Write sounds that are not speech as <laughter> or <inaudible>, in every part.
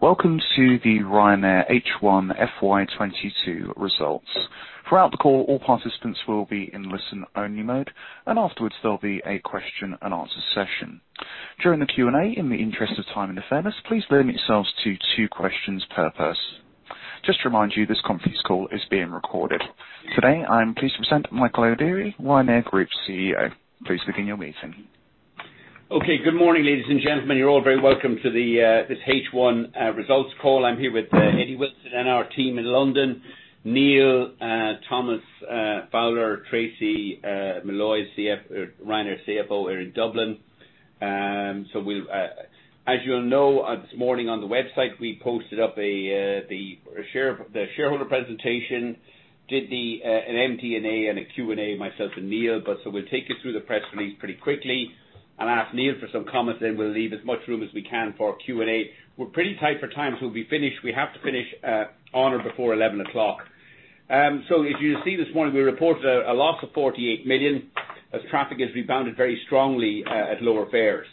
Welcome to the Ryanair H1 FY 2022 Results. Throughout the call, all participants will be in listen-only mode, and afterwards, there'll be a question and answer session. During the Q&A, in the interest of time and fairness, please limit yourselves to two questions per person. Just to remind you, this conference call is being recorded. Today, I am pleased to present Michael O'Leary, Ryanair Group CEO. Please begin your meeting. Okay. Good morning, ladies and gentlemen. You're all very welcome to this H1 results call. I'm here with Eddie Wilson and our team in London. Neil, Thomas Fowler, Tracy Malloy, Ryanair CFO here in Dublin. As you'll know, this morning on the website, we posted up the shareholder presentation, did an MD&A, and a Q&A, myself and Neil. We'll take you through the press release pretty quickly and ask Neil for some comments, then we'll leave as much room as we can for Q&A. We're pretty tight for time, we have to finish on or before 11 o'clock. As you'll see this morning, we reported a loss of 48 million as traffic has rebounded very strongly at lower fares.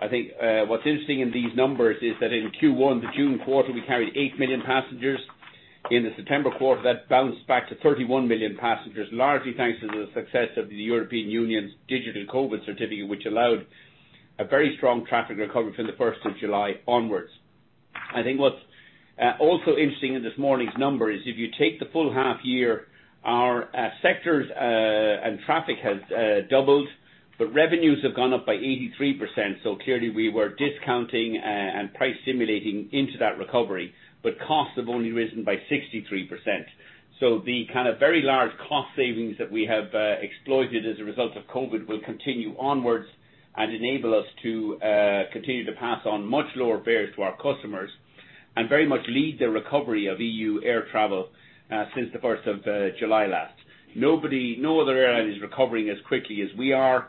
I think what's interesting in these numbers is that in Q1, the June quarter, we carried 8 million passengers. In the September quarter, that bounced back to 31 million passengers, largely thanks to the success of the EU Digital COVID Certificate, which allowed a very strong traffic recovery from the first of July onwards. I think what's also interesting in this morning's numbers, if you take the full half year, our sectors and traffic has doubled, but revenues have gone up by 83%. Clearly we were discounting and price stimulating into that recovery, but costs have only risen by 63%. The kind of very large cost savings that we have exploited as a result of COVID will continue onwards and enable us to continue to pass on much lower fares to our customers and very much lead the recovery of EU air travel since the first of July last. No other airline is recovering as quickly as we are.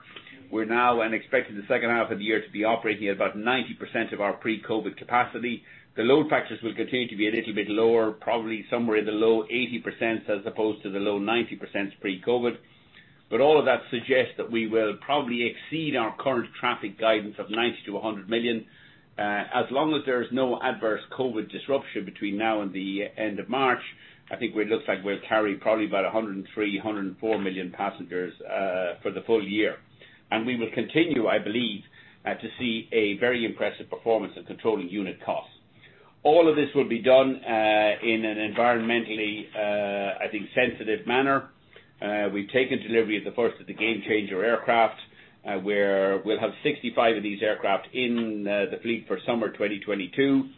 We're now expecting the second half of the year to be operating at about 90% of our pre-COVID capacity. The load factors will continue to be a little bit lower, probably somewhere in the low 80% as opposed to the low 90% pre-COVID. All of that suggests that we will probably exceed our current traffic guidance of 90 million-100 million. As long as there is no adverse COVID disruption between now and the end of March, I think it looks like we'll carry probably about 103 million-104 million passengers for the full year. We will continue, I believe, to see a very impressive performance in controlling unit costs. All of this will be done in an environmentally, I think, sensitive manner. We've taken delivery of the first of the Gamechanger aircraft, where we'll have 65 of these aircraft in the fleet for summer 2022.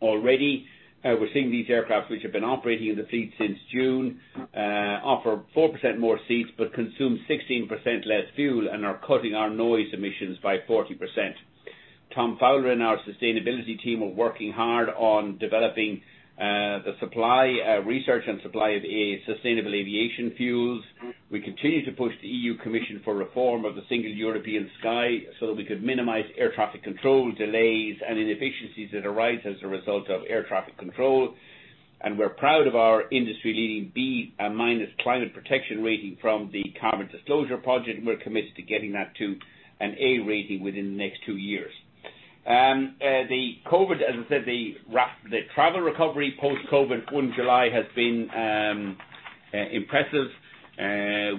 Already, we're seeing these aircraft, which have been operating in the fleet since June, offer 4% more seats but consume 16% less fuel and are cutting our noise emissions by 40%. Tom Fowler and our sustainability team are working hard on developing the supply, research and supply of sustainable aviation fuels. We continue to push the European Commission for reform of the Single European Sky so that we could minimize air traffic control delays and inefficiencies that arise as a result of air traffic control. We're proud of our industry-leading B-minus climate protection rating from the Carbon Disclosure Project, and we're committed to getting that to an A rating within the next two years. The COVID, as I said, the travel recovery post-COVID, on July, has been impressive.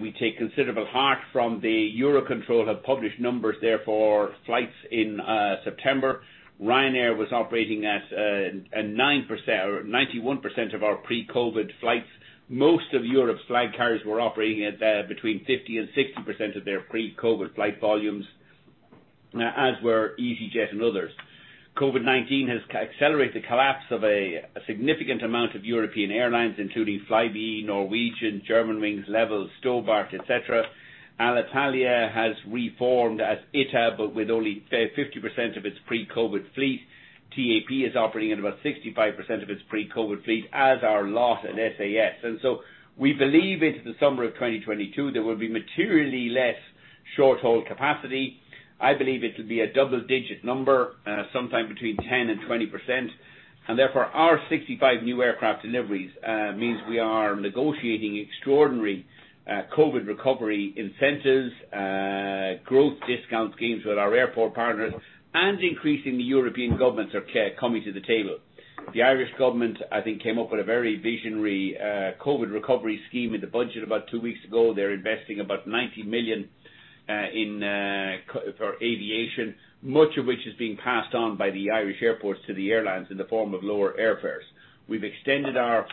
We take considerable heart from the Eurocontrol have published numbers there for flights in September. Ryanair was operating at a 9% or 91% of our pre-COVID flights. Most of Europe's flag carriers were operating at between 50%-60% of their pre-COVID flight volumes, as were easyJet and others. COVID-19 has accelerated the collapse of a significant amount of European airlines, including Flybe, Norwegian, Germanwings, Level, Stobart, et cetera. Alitalia has reformed as ITA, but with only 50% of its pre-COVID fleet. TAP is operating at about 65% of its pre-COVID fleet, as are LOT and SAS. We believe into the summer of 2022, there will be materially less short-haul capacity. I believe it'll be a double-digit number sometime between 10%-20%. Our 65 new aircraft deliveries means we are negotiating extraordinary COVID recovery incentives, growth discount schemes with our airport partners, and increasingly European governments are coming to the table. The Irish government, I think, came up with a very visionary COVID recovery scheme in the budget about two weeks ago. They're investing about 90 million in for aviation, much of which is being passed on by the Irish airports to the airlines in the form of lower airfares. We've extended our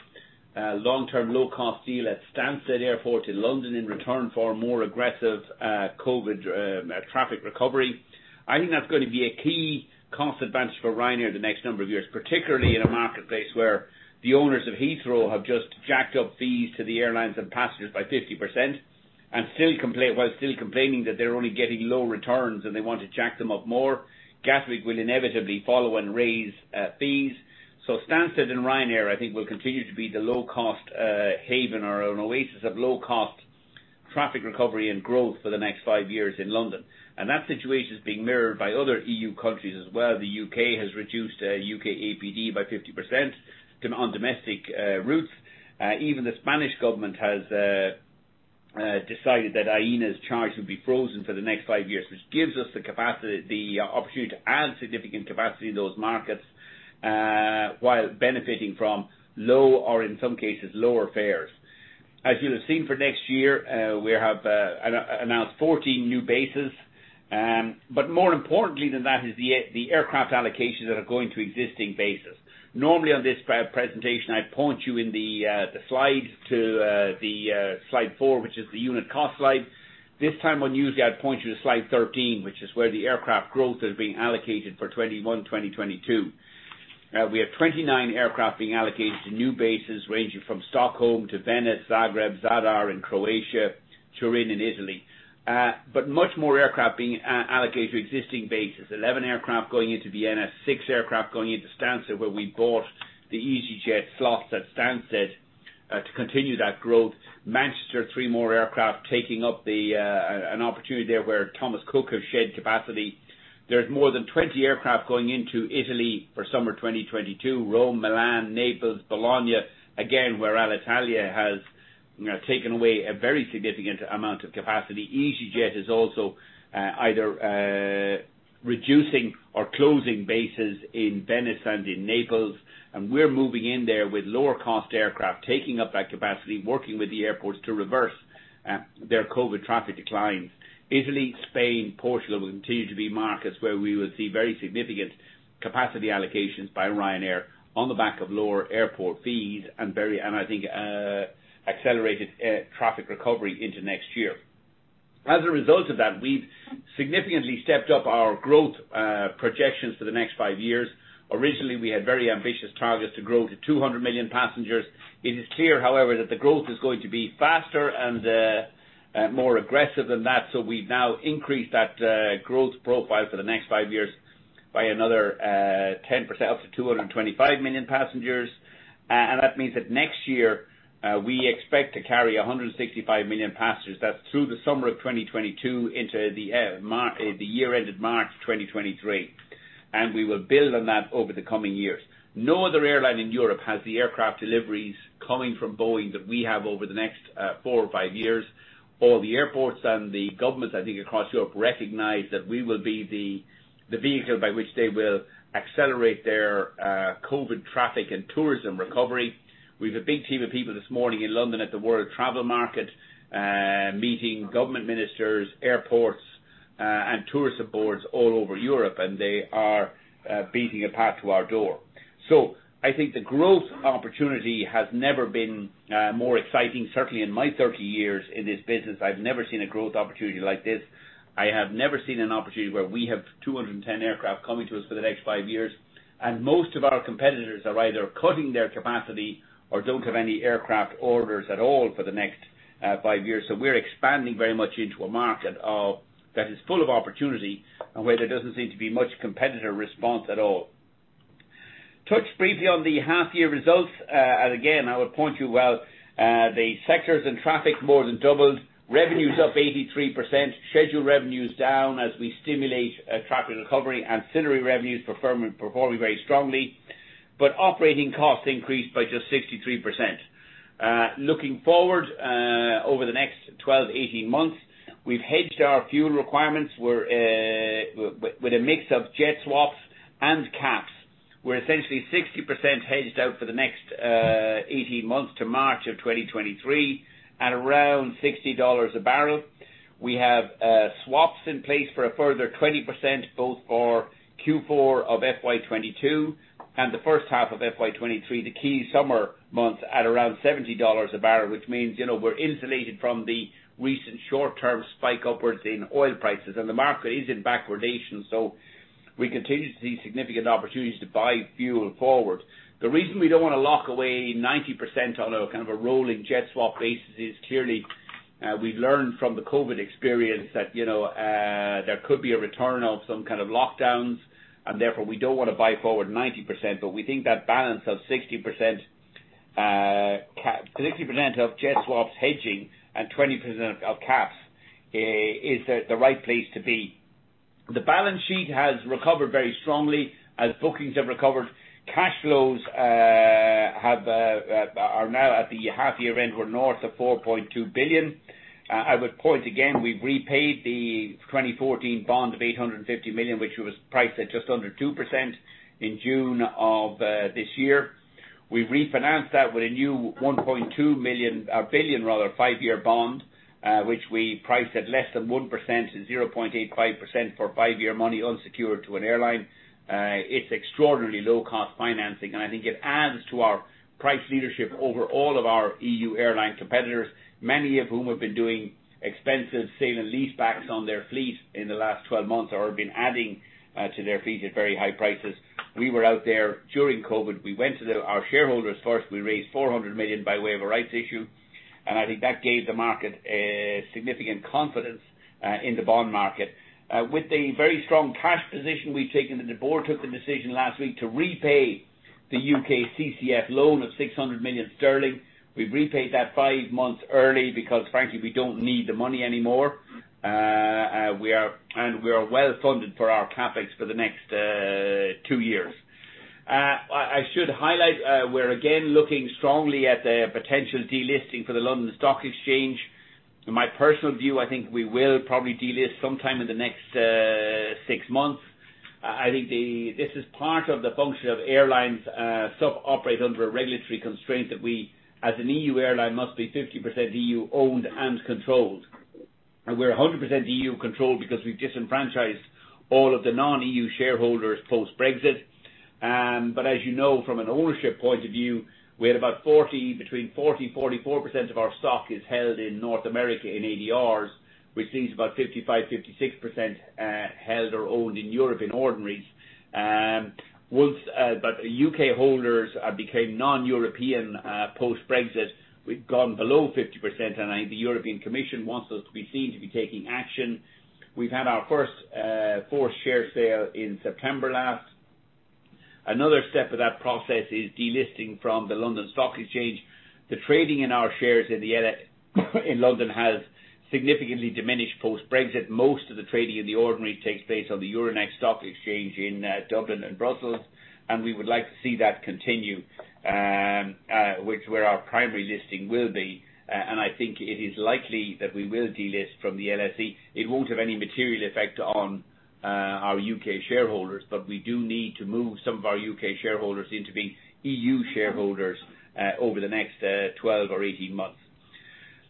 long-term low-cost deal at Stansted Airport in London in return for a more aggressive COVID traffic recovery. I think that's going to be a key cost advantage for Ryanair in the next number of years, particularly in a marketplace where the owners of Heathrow Airport have just jacked up fees to the airlines and passengers by 50% and still complain while still complaining that they're only getting low returns and they want to jack them up more. Gatwick will inevitably follow and raise fees. Stansted and Ryanair, I think, will continue to be the low-cost haven or an oasis of low-cost traffic recovery and growth for the next five years in London. That situation is being mirrored by other EU countries as well. The U.K. has reduced U.K. APD by 50% on domestic routes. Even the Spanish government has decided that Aena's charge would be frozen for the next five years, which gives us the capacity, the opportunity to add significant capacity to those markets while benefiting from low, or in some cases, lower fares. As you'll have seen for next year, we have announced 14 new bases. More importantly than that is the aircraft allocations that are going to existing bases. Normally, on this pre-presentation, I'd point you in the slides to, the, slide four, which is the unit cost slide. This time on news, I'd point you to slide 13, which is where the aircraft growth is being allocated for 2021, 2022. We have 29 aircraft being allocated to new bases, ranging from Stockholm to Venice, Zagreb, Zadar in Croatia, Turin in Italy. But much more aircraft being allocated to existing bases. 11 aircraft going into Vienna, six aircraft going into Stansted, where we bought the easyJet slots at Stansted, to continue that growth. Manchester, three more aircraft taking up the, an opportunity there where Thomas Cook has shed capacity. There's more than 20 aircraft going into Italy for summer 2022. Rome, Milan, Naples, Bologna, again, where Alitalia has, you know, taken away a very significant amount of capacity. easyJet is also either reducing or closing bases in Venice and in Naples, and we're moving in there with lower cost aircraft, taking up that capacity, working with the airports to reverse their COVID traffic declines. Italy, Spain, Portugal will continue to be markets where we will see very significant capacity allocations by Ryanair on the back of lower airport fees and I think accelerated traffic recovery into next year. As a result of that, we've significantly stepped up our growth projections for the next five years. Originally, we had very ambitious targets to grow to 200 million passengers. It is clear, however, that the growth is going to be faster and more aggressive than that. We've now increased that growth profile for the next five years by another 10% up to 225 million passengers. That means that next year we expect to carry 165 million passengers. That's through the summer of 2022 into the year-ended March 2023. We will build on that over the coming years. No other airline in Europe has the aircraft deliveries coming from Boeing that we have over the next four or five years. All the airports and the governments, I think across Europe, recognize that we will be the vehicle by which they will accelerate their COVID traffic and tourism recovery. We have a big team of people this morning in London at the World Travel Market, meeting government ministers, airports, and tourism boards all over Europe, and they are beating a path to our door. I think the growth opportunity has never been more exciting. Certainly in my 30 years in this business, I've never seen a growth opportunity like this. I have never seen an opportunity where we have 210 aircraft coming to us for the next five years, and most of our competitors are either cutting their capacity or don't have any aircraft orders at all for the next 5 years. We're expanding very much into a market that is full of opportunity and where there doesn't seem to be much competitor response at all. Touch briefly on the half year results. Again, I would point you to, well, the sectors and traffic more than doubled. Revenues up 83%. Scheduled revenues down as we stimulate a traffic recovery. Ancillary revenues performing very strongly, but operating costs increased by just 63%. Looking forward, over the next 12, 18 months, we've hedged our fuel requirements. We're with a mix of jet swaps and caps. We're essentially 60% hedged out for the next 18 months to March 2023 at around $60 a barrel. We have swaps in place for a further 20% both for Q4 of FY 2022 and the first half of FY 2023, the key summer months at around $70 a barrel, which means, you know, we're insulated from the recent short-term spike upwards in oil prices. The market is in backwardation, so we continue to see significant opportunities to buy fuel forward. The reason we don't wanna lock away 90% on a kind of a rolling jet swap basis is clearly, we learned from the COVID experience that, you know, there could be a return of some kind of lockdowns, and therefore we don't wanna buy forward 90%, but we think that balance of 60%, 60% of jet swaps hedging and 20% of caps is the right place to be. The balance sheet has recovered very strongly as bookings have recovered. Cash flows are now at the half year end, we're north of 4.2 billion. I would point again, we've repaid the 2014 bond of 850 million, which was priced at just under 2% in June of this year. We've refinanced that with a new 1.2 billion five-year bond, which we priced at less than 1% and 0.85% for five-year money unsecured to an airline. It's extraordinarily low-cost financing, and I think it adds to our price leadership over all of our EU airline competitors, many of whom have been doing expensive sale and leasebacks on their fleet in the last 12 months or have been adding to their fleet at very high prices. We were out there during COVID. We went to our shareholders first. We raised 400 million by way of a rights issue, and I think that gave the market a significant confidence in the bond market. With the very strong cash position we've taken, the board took the decision last week to repay the U.K. CCF loan of 600 million sterling. We've repaid that five months early because frankly, we don't need the money anymore. We are well funded for our CapEx for the next two years. I should highlight, we're again looking strongly at a potential delisting for the London Stock Exchange. In my personal view, I think we will probably delist sometime in the next six months. I think this is part of the function of airlines to operate under a regulatory constraint that we, as an EU airline, must be 50% EU-owned and controlled. We're 100% EU-controlled because we've disenfranchised all of the non-EU shareholders post-Brexit. But as you know, from an ownership point of view, we had about 40%, between 40%-44% of our stock held in North America in ADRs, which leaves about 55%-56% held or owned in Europe in ordinaries. But U.K. holders became non-European post-Brexit, we've gone below 50%, and I think the European Commission wants us to be seen to be taking action. We've had our first forced share sale in September last. Another step of that process is delisting from the London Stock Exchange. The trading in our shares in the LSE in London has significantly diminished post-Brexit. Most of the trading in the ordinary takes place on the Euronext Stock Exchange in Dublin and Brussels, and we would like to see that continue, which is where our primary listing will be. I think it is likely that we will delist from the LSE. It won't have any material effect on our U.K. shareholders, but we do need to move some of our U.K. shareholders into being EU shareholders over the next 12 or 18 months.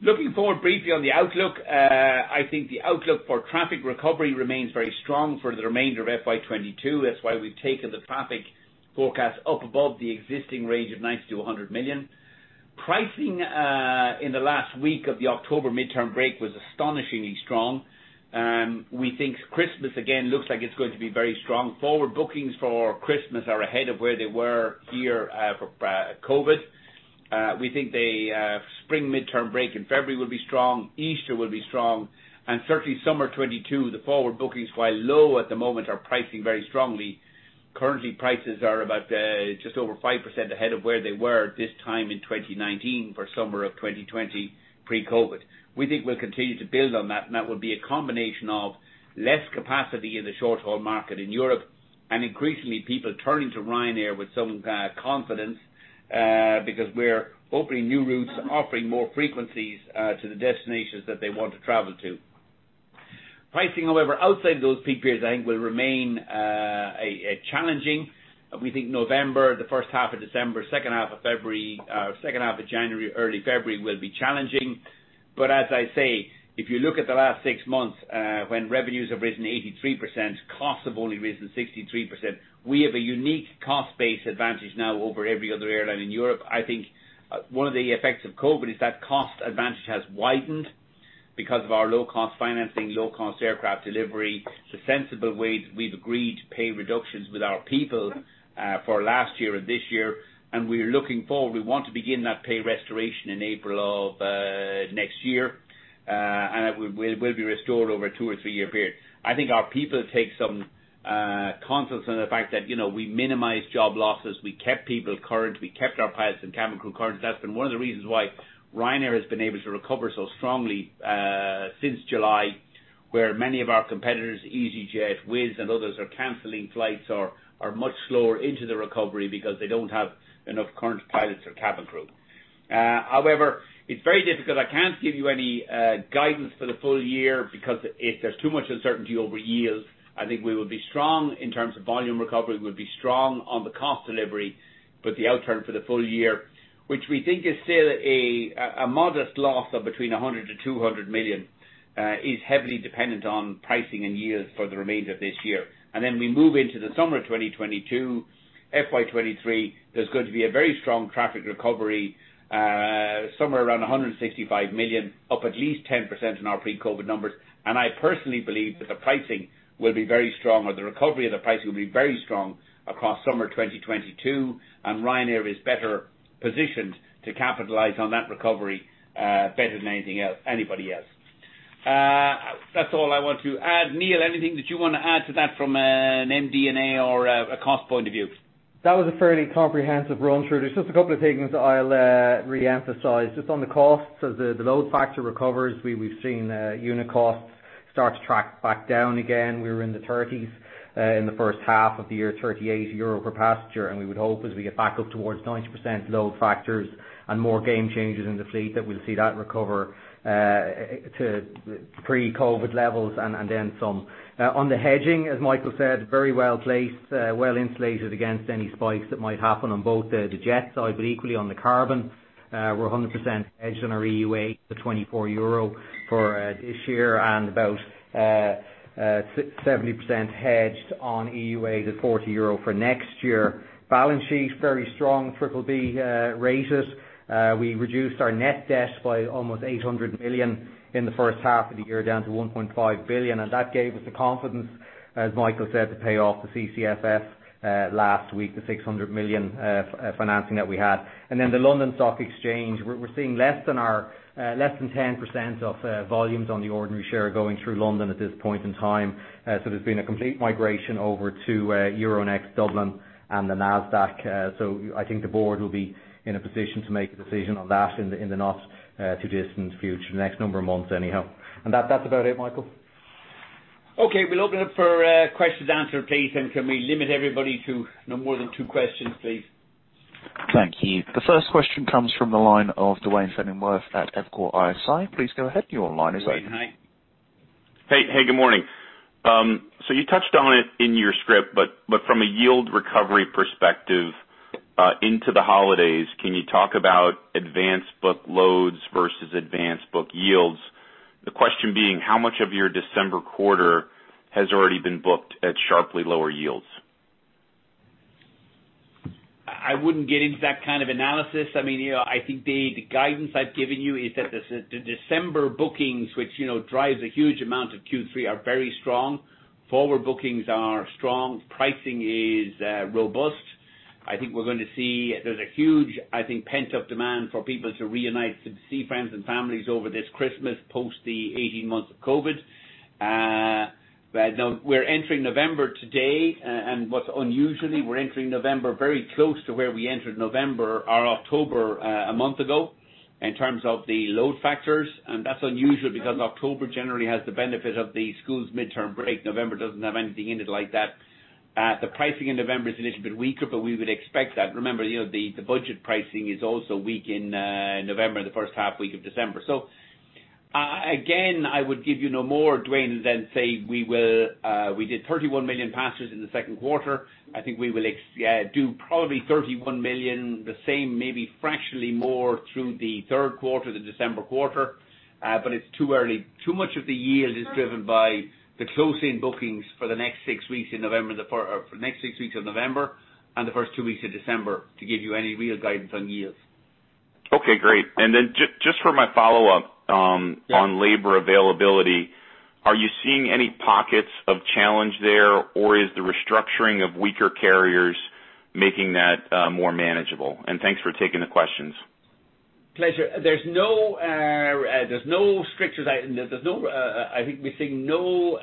Looking forward briefly on the outlook, I think the outlook for traffic recovery remains very strong for the remainder of FY 2022. That's why we've taken the traffic forecast up above the existing range of 90 million-100 million. Pricing in the last week of the October midterm break was astonishingly strong. We think Christmas, again, looks like it's going to be very strong. Forward bookings for Christmas are ahead of where they were last year for COVID. We think the spring midterm break in February will be strong, Easter will be strong, and certainly Summer 2022, the forward bookings, while low at the moment, are pricing very strongly. Currently, prices are about just over 5% ahead of where they were at this time in 2019 for summer of 2020 pre-COVID. We think we'll continue to build on that, and that will be a combination of less capacity in the short-haul market in Europe, and increasingly, people turning to Ryanair with some confidence because we're opening new routes and offering more frequencies to the destinations that they want to travel to. Pricing, however, outside of those peak periods, I think will remain a challenging. We think November, the first half of December, second half of February, second half of January, early February, will be challenging. As I say, if you look at the last six months, when revenues have risen 83%, costs have only risen 63%. We have a unique cost base advantage now over every other airline in Europe. I think, one of the effects of COVID is that cost advantage has widened because of our low-cost financing, low-cost aircraft delivery. The sensible way we've agreed to pay reductions with our people, for last year and this year, and we're looking forward. We want to begin that pay restoration in April of next year. It will be restored over a two or three-year period. I think our people take some confidence in the fact that, you know, we minimized job losses, we kept people current, we kept our pilots and cabin crew current. That's been one of the reasons why Ryanair has been able to recover so strongly since July, where many of our competitors, easyJet, Wizz Air, and others, are canceling flights or much slower into the recovery because they don't have enough current pilots or cabin crew. However, it's very difficult. I can't give you any guidance for the full year because there's too much uncertainty over yields. I think we will be strong in terms of volume recovery. We'll be strong on the cost delivery, but the outturn for the full year, which we think is still a modest loss of between 100 million-200 million, is heavily dependent on pricing and yields for the remainder of this year. We move into the summer of 2022, FY 2023, there's going to be a very strong traffic recovery, somewhere around 165 million, up at least 10% in our pre-COVID numbers. I personally believe that the pricing will be very strong or the recovery of the pricing will be very strong across summer 2022, and Ryanair is better positioned to capitalize on that recovery, better than anything else, anybody else. That's all I want to add. Neil, anything that you wanna add to that from an MD&A or a cost point of view? That was a fairly comprehensive run-through. There's just a couple of things I'll re-emphasize. Just on the costs, as the load factor recovers, we've seen unit costs start to track back down again. We were in the 30% in the first half of the year, 38 euro per passenger, and we would hope as we get back up towards 90% load factors and more game changes in the fleet, that we'll see that recover to pre-COVID levels and then some. On the hedging, as Michael said, very well-placed, well-insulated against any spikes that might happen on both the jet side, but equally on the carbon. We're 100% hedged on our EUA to 24 euro for this year and about 70% hedged on EUA to 40 euro for next year. Balance sheet, very strong BBB ratings. We reduced our net debt by almost 800 million in the first half of the year down to 1.5 billion, and that gave us the confidence, as Michael said, to pay off the CCFF last week, the 600 million financing that we had. Then the London Stock Exchange, we're seeing less than our less than 10% of volumes on the ordinary share going through London at this point in time. There's been a complete migration over to Euronext Dublin and the Nasdaq. I think the board will be in a position to make a decision on that in the not too distant future, next number of months anyhow. That's about it, Michael. Okay. We'll open up for question and answer, please, and can we limit everybody to no more than two questions, please? Thank you. The first question comes from the line of Duane Pfennigwerth at Evercore. Please go ahead. Your line is open. Good morning. Hey, good morning. So you touched on it in your script, but from a yield recovery perspective, into the holidays, can you talk about advanced book loads versus advanced book yields? The question being, how much of your December quarter has already been booked at sharply lower yields? I wouldn't get into that kind of analysis. I mean, you know, I think the guidance I've given you is that the December bookings, which, you know, drives a huge amount of Q3, are very strong. Forward bookings are strong. Pricing is robust. I think we're gonna see there's a huge, I think, pent-up demand for people to reunite, to see friends and families over this Christmas post the eighteen months of COVID. Now we're entering November today, and what's unusual, we're entering November very close to where we entered October a month ago in terms of the load factors. That's unusual because October generally has the benefit of the school's midterm break. November doesn't have anything in it like that. The pricing in November is a little bit weaker, but we would expect that. Remember, you know, the budget pricing is also weak in November, the first half week of December. Again, I would give you no more, Duane, than say we did 31 million passengers in the second quarter. I think we will do probably 31 million, the same, maybe fractionally more through the third quarter, the December quarter, but it's too early. Too much of the yield is driven by the close-in bookings for the next six weeks of November and the first two weeks of December to give you any real guidance on yields. Okay, great. Just for my follow-up, Yeah. On labor availability, are you seeing any pockets of challenge there, or is the restructuring of weaker carriers making that more manageable? Thanks for taking the questions. Pleasure. There's no strictures. I think we're seeing no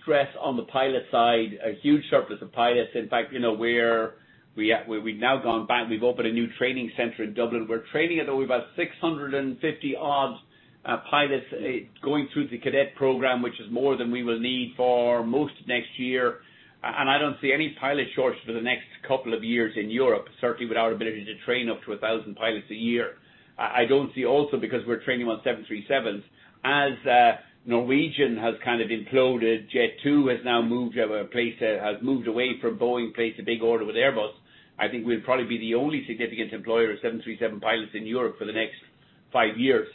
stress on the pilot side. A huge surplus of pilots. In fact, you know, we've now gone back. We've opened a new training center in Dublin. We're training over about 650-odd pilots going through the cadet program, which is more than we will need for most next year. I don't see any pilot shortage for the next couple of years in Europe, certainly with our ability to train up to 1,000 pilots a year. I don't see also because we're training on 737s as Norwegian has kind of imploded. Jet2 has now moved away from Boeing, placed a big order with Airbus. I think we'll probably be the only significant employer of 737 pilots in Europe for the next five years.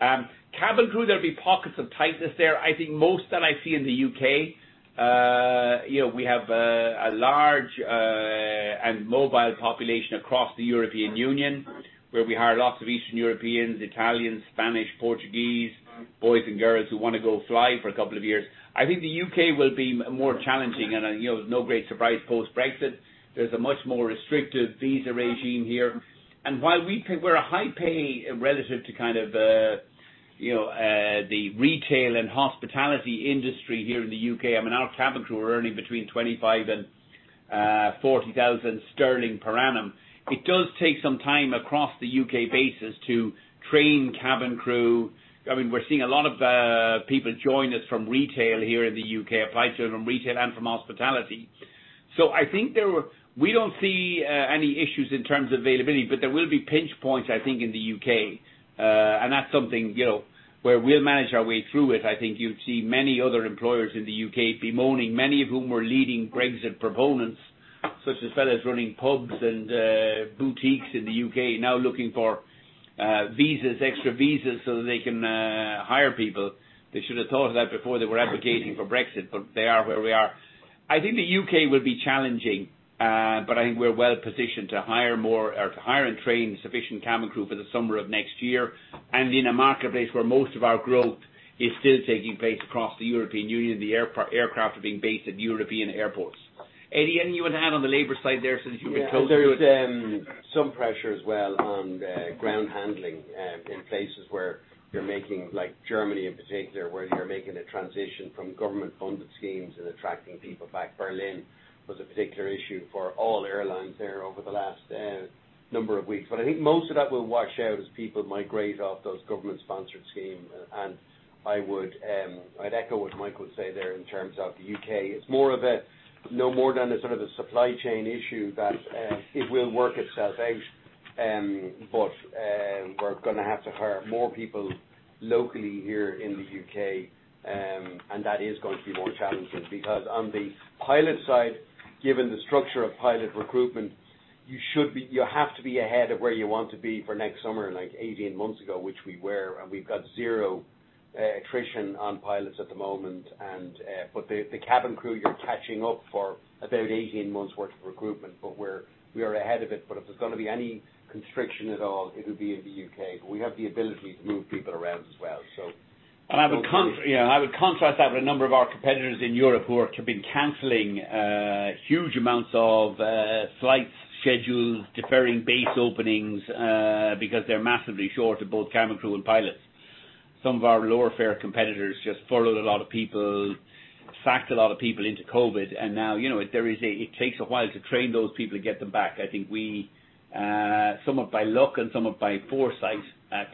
Cabin crew, there'll be pockets of tightness there. I think most that I see in the U.K. You know, we have a large and mobile population across the European Union, where we hire lots of Eastern Europeans, Italians, Spanish, Portuguese, boys and girls who wanna go fly for a couple of years. I think the U.K. will be more challenging and, you know, no great surprise post-Brexit. There's a much more restrictive visa regime here. While we pay, we're a high pay relative to kind of, you know, the retail and hospitality industry here in the U.K. I mean, our cabin crew are earning between 25,000 and 40,000 sterling per annum. It does take some time across the U.K. bases to train cabin crew. I mean, we're seeing a lot of people join us from retail here in the U.K., apply to us from retail and from hospitality. We don't see any issues in terms of availability, but there will be pinch points, I think, in the U.K., and that's something, you know, where we'll manage our way through it. I think you'd see many other employers in the U.K. bemoaning, many of whom were leading Brexit proponents, such as fellows running pubs and boutiques in the U.K. now looking for visas, extra visas so that they can hire people. They should have thought of that before they were advocating for Brexit, but they are where we are. I think the U.K. will be challenging, but I think we're well positioned to hire more or to hire and train sufficient cabin crew for the summer of next year and in a marketplace where most of our growth is still taking place across the European Union. The aircraft are being based at European airports. Eddie, anything you would add on the labor side there since you've been closer to it? Yeah. There's some pressure as well on ground handling in places like Germany in particular, where you're making a transition from government-funded schemes and attracting people back. Berlin was a particular issue for all airlines there over the last number of weeks. I think most of that will wash out as people migrate off those government-sponsored schemes. I'd echo what Michael would say there in terms of the U.K. It's more of a no more than a sort of a supply chain issue that it will work itself out. We're gonna have to hire more people locally here in the U.K., and that is going to be more challenging. Because on the pilot side, given the structure of pilot recruitment, you have to be ahead of where you want to be for next summer, like 18 months ago, which we were, and we've got zero attrition on pilots at the moment, but the cabin crew you're catching up for about 18 months' worth of recruitment, but we are ahead of it. If there's gonna be any constriction at all, it'll be in the U.K. We have the ability to move people around as well, so. You know, I would contrast that with a number of our competitors in Europe who have been canceling huge amounts of flight schedules, deferring base openings, because they're massively short of both cabin crew and pilots. Some of our lower fare competitors just furloughed a lot of people, sacked a lot of people into COVID. Now, you know, it takes a while to train those people to get them back. I think we, somewhat by luck and somewhat by foresight,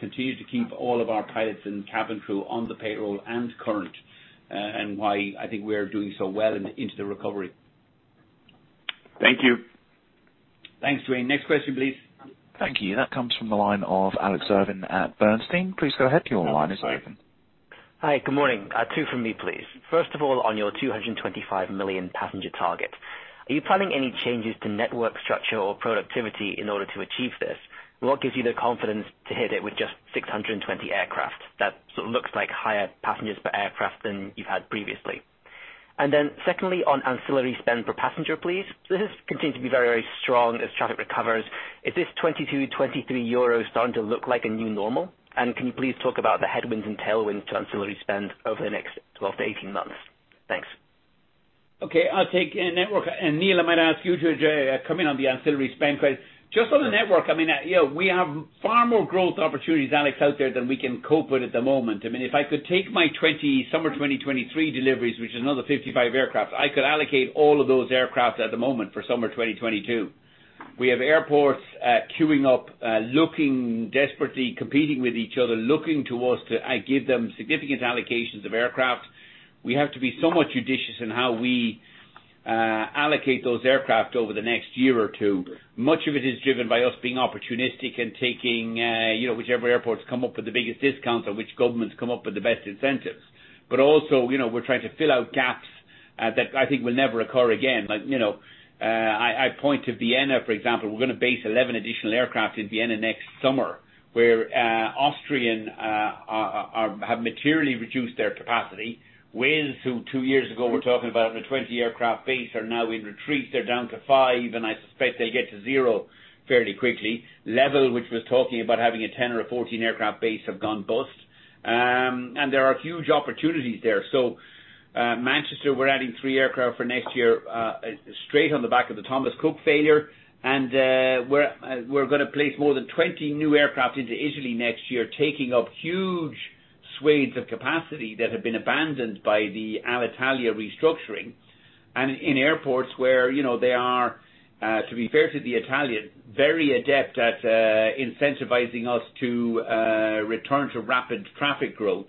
continue to keep all of our pilots and cabin crew on the payroll and current, and why I think we're doing so well into the recovery. Thank you. Thanks, Duane. Next question, please. Thank you. That comes from the line of Alex Irving at Bernstein. Please go ahead. Your line is open. Hi. Good morning. Two from me, please. First of all, on your 225 million passenger target, are you planning any changes to network structure or productivity in order to achieve this? What gives you the confidence to hit it with just 620 aircraft? That sort of looks like higher passengers per aircraft than you've had previously. Then secondly, on ancillary spend per passenger, please. This has continued to be very, very strong as traffic recovers. Is this 22-23 euros starting to look like a new normal? Can you please talk about the headwinds and tailwinds to ancillary spend over the next 12-18 months? Thanks. Okay. I'll take network. Neil, I might ask you to come in on the ancillary spend part. Just on the network, I mean, you know, we have far more growth opportunities, Alex, out there than we can cope with at the moment. I mean, if I could take my summer 2023 deliveries, which is another 55 aircraft, I could allocate all of those aircraft at the moment for summer 2022. We have airports queuing up, looking desperately, competing with each other, looking to us to give them significant allocations of aircraft. We have to be somewhat judicious in how we allocate those aircraft over the next year or two. Much of it is driven by us being opportunistic and taking, you know, whichever airports come up with the biggest discounts or which governments come up with the best incentives. Also, you know, we're trying to fill out gaps that I think will never occur again. Like, you know, I point to Vienna, for example. We're gonna base 11 additional aircraft in Vienna next summer, where Austrian have materially reduced their Wizz Air, who two years ago were talking about a 20-aircraft base, are now in retreat. They're down to five, and I suspect they get to zero fairly quickly. Level, which was talking about having a 10 or a 14 aircraft base, have gone bust. There are huge opportunities there. Manchester, we're adding three aircraft for next year, straight on the back of the Thomas Cook failure. We're gonna place more than 20 new aircraft into Italy next year, taking up huge swathes of capacity that have been abandoned by the Alitalia restructuring. In airports where, you know, they are, to be fair to the Italians, very adept at incentivizing us to return to rapid traffic growth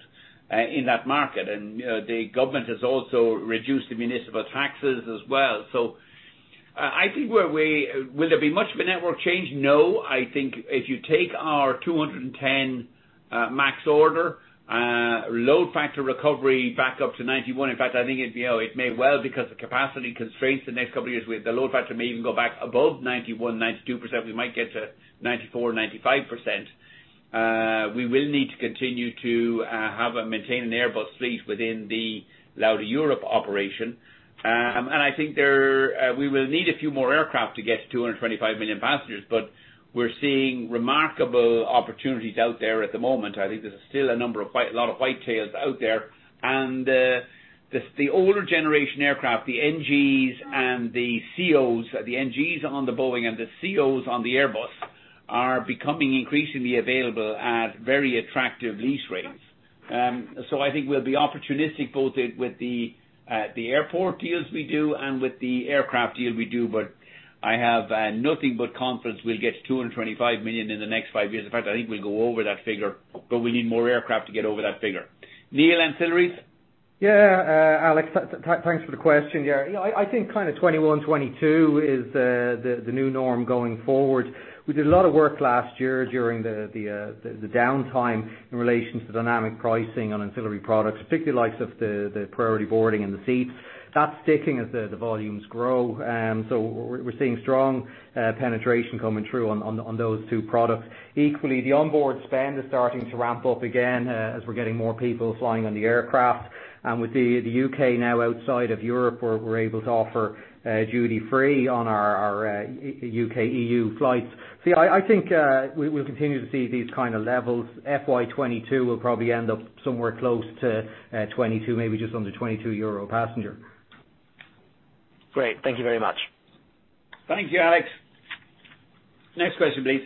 in that market. You know, the government has also reduced the municipal taxes as well. I think. Will there be much of a network change? No. I think if you take our 210 MAX order, load factor recovery back up to 91%. In fact, I think it, you know, it may well because the capacity constraints the next couple of years, the load factor may even go back above 91%-92%. We might get to 94%-95%. We will need to continue to have and maintain an Airbus fleet within the Lauda Europe operation. I think there we will need a few more aircraft to get to 225 million passengers, but we're seeing remarkable opportunities out there at the moment. I think there's still a lot of white tails out there. The older generation aircraft, the NGs and the CEOs, the NGs on the Boeing and the CEOs on the Airbus, are becoming increasingly available at very attractive lease rates. I think we'll be opportunistic both with the airport deals we do and with the aircraft deal we do. I have nothing but confidence we'll get to 225 million in the next five years. In fact, I think we'll go over that figure, but we need more aircraft to get over that figure. Neil, ancillaries? Yeah, Alex, thanks for the question. Yeah. I think kind of 2021, 2022 is the new norm going forward. We did a lot of work last year during the downtime in relation to the dynamic pricing on ancillary products, particularly the likes of the priority boarding and the seats. That's sticking as the volumes grow. We're seeing strong penetration coming through on those two products. Equally, the onboard spend is starting to ramp up again as we're getting more people flying on the aircraft. With the U.K. now outside of Europe, we're able to offer duty free on our U.K. EU flights. Yeah, I think we'll continue to see these kind of levels. FY 2022 will probably end up somewhere close to 22, maybe just under 22 euro per passenger. Great. Thank you very much. Thank you, Alex. Next question, please.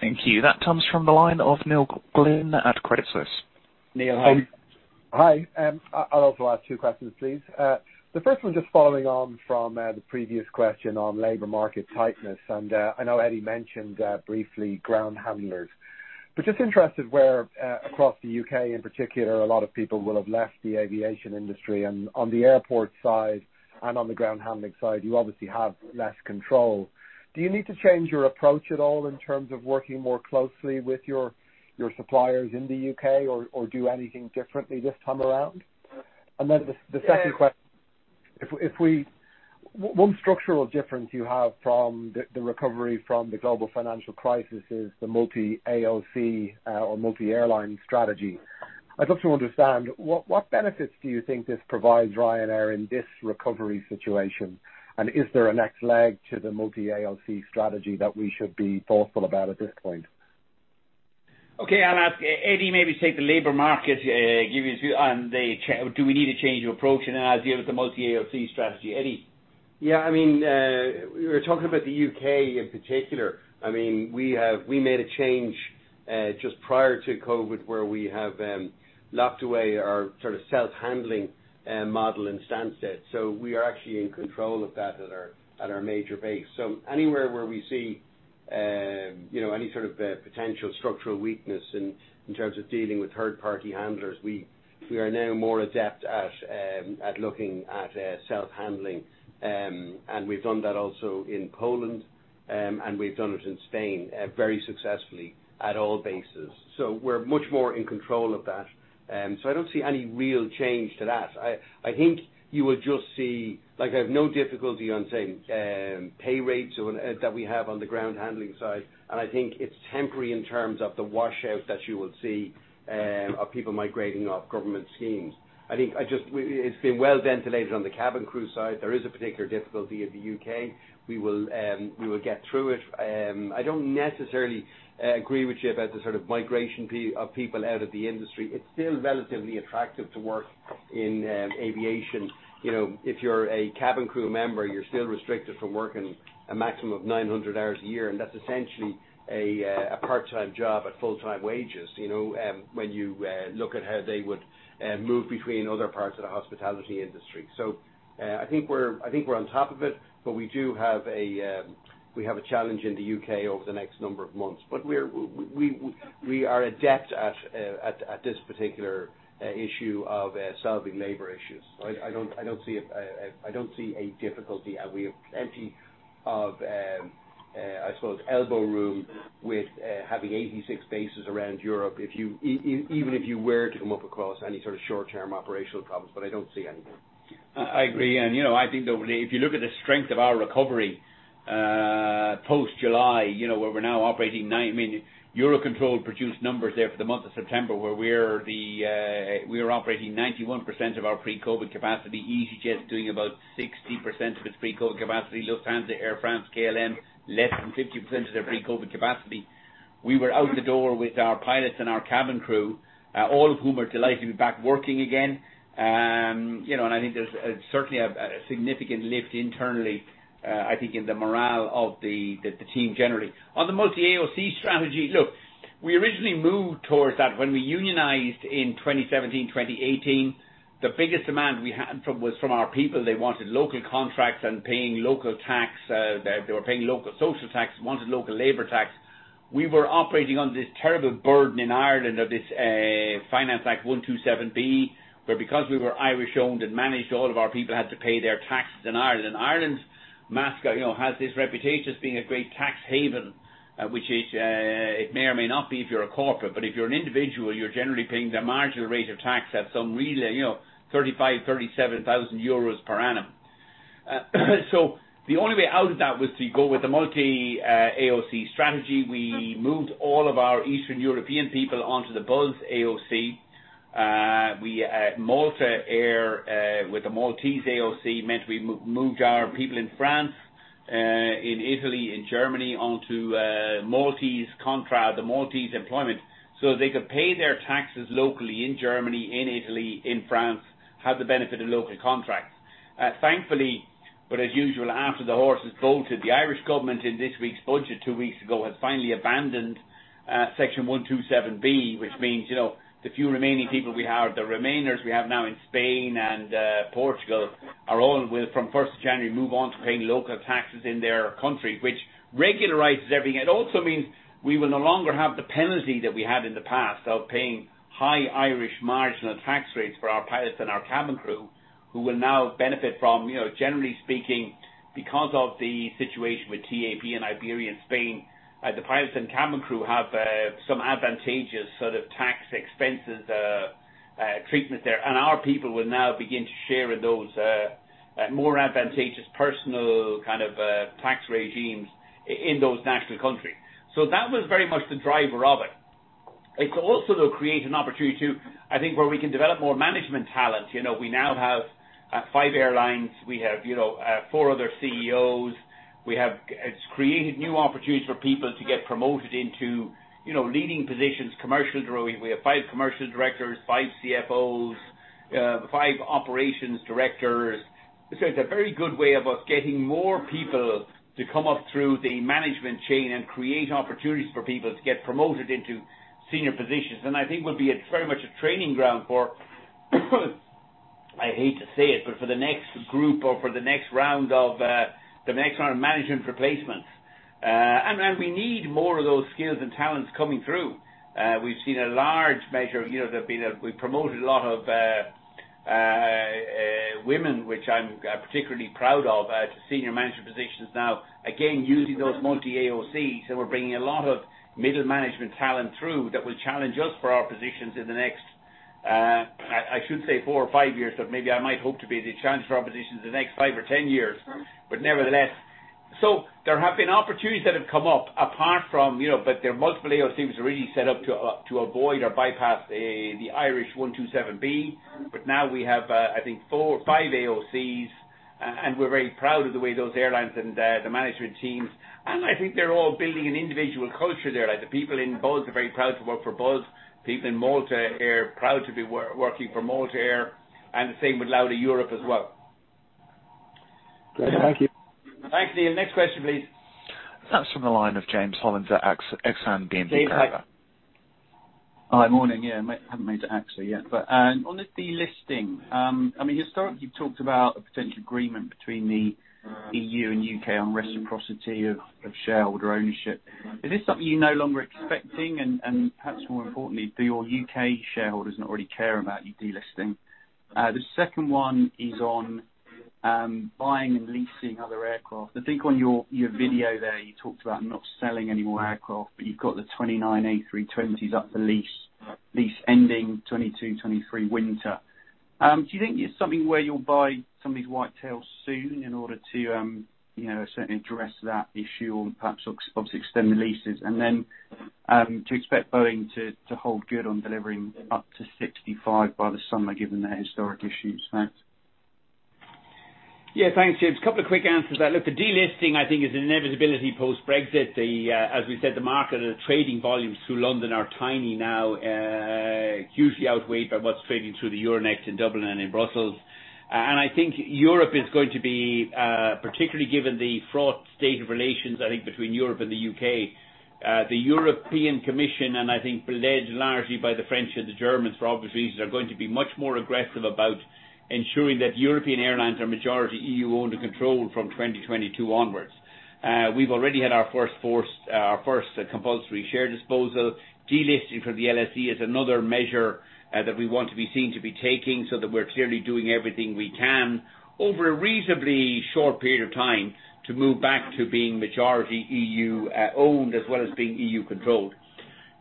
Thank you. That comes from the line of Neil Glynn at Credit Suisse. Neil, Hi. Hi. I'll also ask two questions, please. The first one just following on from the previous question on labor market tightness, and I know Eddie mentioned briefly ground handlers. Just interested where across the U.K. in particular, a lot of people will have left the aviation industry, and on the airport side and on the ground handling side, you obviously have less control. Do you need to change your approach at all in terms of working more closely with your suppliers in the U.K. or do anything differently this time around? One structural difference you have from the recovery from the global financial crisis is the multi-AOC or multi-airline strategy. I'd love to understand what benefits do you think this provides Ryanair in this recovery situation? Is there a next leg to the multi-AOC strategy that we should be thoughtful about at this point? Okay. I'll ask Eddie maybe to take the labor market. Do we need to change your approach? Then ask you about the multi-AOC strategy. Eddie. I mean, we're talking about the U.K. in particular. I mean, we made a change just prior to COVID, where we have locked away our sort of self-handling model in Stansted. We are actually in control of that at our major base. Anywhere where we see You know, any sort of potential structural weakness in terms of dealing with third-party handlers. We are now more adept at looking at self-handling. We've done that also in Poland, and we've done it in Spain, very successfully at all bases. We're much more in control of that. I don't see any real change to that. I think you will just see. Like, I have no difficulty on, say, pay rates or that we have on the ground handling side. I think it's temporary in terms of the wash out that you will see of people migrating off government schemes. It's been well ventilated on the cabin crew side. There is a particular difficulty in the U.K. We will get through it. I don't necessarily agree with you about the sort of migration of people out of the industry. It's still relatively attractive to work in aviation. You know, if you're a cabin crew member, you're still restricted from working a maximum of 900 hours a year, and that's essentially a part-time job at full-time wages, you know, when you look at how they would move between other parts of the hospitality industry. I think we're on top of it, but we do have a challenge in the U.K. over the next number of months. We are adept at this particular issue of solving labor issues. I don't see a difficulty. We have plenty of, I suppose, elbow room with having 86 bases around Europe. Even if you were to come up against any sort of short-term operational problems, but I don't see any. I agree. You know, I think that if you look at the strength of our recovery post-July, where we're now operating 9 million. Eurocontrol produced numbers there for the month of September, where we are operating 91% of our pre-COVID capacity. easyJet's doing about 60% of its pre-COVID capacity. Lufthansa, Air France, KLM, less than 50% of their pre-COVID capacity. We were out the door with our pilots and our cabin crew, all of whom are delighted to be back working again. You know, I think there's certainly a significant lift internally, I think in the morale of the team generally. On the multi-AOC strategy, look, we originally moved towards that when we unionized in 2017, 2018. The biggest demand we had from our people. They wanted local contracts and paying local tax. They were paying local social tax, wanted local labor tax. We were operating under this terrible burden in Ireland of this Finance Act Section 127B, where because we were Irish owned and managed, all of our people had to pay their taxes in Ireland. Ireland, you know, has this reputation as being a great tax haven, which is, it may or may not be if you're a corporate, but if you're an individual, you're generally paying the marginal rate of tax at some really, you know, 35,000-37,000 euros per annum. The only way out of that was to go with the multi-AOC strategy. We moved all of our Eastern European people onto the Buzz AOC. Malta Air, with the Maltese AOC, meant we moved our people in France, in Italy, in Germany onto Maltese contract, the Maltese employment, so they could pay their taxes locally in Germany, in Italy, in France, have the benefit of local contracts. Thankfully, as usual, after the horse has bolted, the Irish government in this week's budget two weeks ago, has finally abandoned Section 127B, which means, you know, the few remaining people we have, the remainers we have now in Spain and Portugal, will all from first of January move on to paying local taxes in their country, which regularizes everything. It also means we will no longer have the penalty that we had in the past of paying high Irish marginal tax rates for our pilots and our cabin crew, who will now benefit from, you know, generally speaking, because of the situation with TAP and Iberia in Spain, the pilots and cabin crew have some advantageous sort of tax expense treatment there. Our people will now begin to share in those more advantageous personal kind of tax regimes in those countries. That was very much the driver of it. It also though create an opportunity to, I think, where we can develop more management talent. You know, we now have five airlines. We have, you know, four other CEOs. It's created new opportunities for people to get promoted into, you know, leading positions, commercial role. We have five commercial directors, five CFOs, five operations directors. It's a very good way of us getting more people to come up through the management chain and create opportunities for people to get promoted into senior positions. I think we'll be very much a training ground for, I hate to say it, but for the next group or for the next round of the next round of management replacements. We need more of those skills and talents coming through. We've seen a large measure. You know, we've promoted a lot of women, which I'm particularly proud of to senior management positions now. Again, using those multi-AOCs, we're bringing a lot of middle management talent through that will challenge us for our positions in the next, I should say four or five years, but maybe I might hope to be the challenge for our positions in the next five or 10 years. Nevertheless, there have been opportunities that have come up apart from but their multiple AOC was really set up to avoid or bypass the Irish 127B. Now we have, I think four or five AOCs, and we're very proud of the way those airlines and the management teams, and I think they're all building an individual culture there. Like, the people in Buzz are very proud to work for Buzz. People in Malta Air, proud to be working for Malta Air, and the same with Lauda Europe as well. Great. Thank you. Thanks, Neil. Next question, please. That's from the line of James Hollins at BNP Paribas. Hi. Morning. Yeah, I haven't made it to Axon yet. On the delisting, I mean, historically, you've talked about a potential agreement between the EU and U.K. on reciprocity of shareholder ownership. Is this something you're no longer expecting? Perhaps more importantly, do your U.K. shareholders not really care about you delisting? The second one is on buying and leasing other aircraft. I think on your video there, you talked about not selling any more aircraft, but you've got the 29 A320s up for lease ending 2022, 2023 winter. Do you think it's something where you'll buy some of these white tails soon in order to, you know, certainly address that issue or perhaps obviously extend the leases? Do you expect Boeing to hold good on delivering up to 65 by the summer, given their historic issues? Thanks. Yeah. Thanks, James. A couple of quick answers. Look, the delisting, I think is an inevitability post-Brexit. As we said, the market, the trading volumes through London are tiny now, hugely outweighed by what's trading through the Euronext in Dublin and in Brussels. I think Europe is going to be, particularly given the fraught state of relations, I think, between Europe and the U.K. The European Commission, and I think led largely by the French and the Germans for obvious reasons, are going to be much more aggressive about ensuring that European airlines are majority EU-owned and controlled from 2022 onwards. We've already had our first compulsory share disposal. Delisting from the LSE is another measure that we want to be seen to be taking so that we're clearly doing everything we can over a reasonably short period of time to move back to being majority EU owned as well as being EU controlled.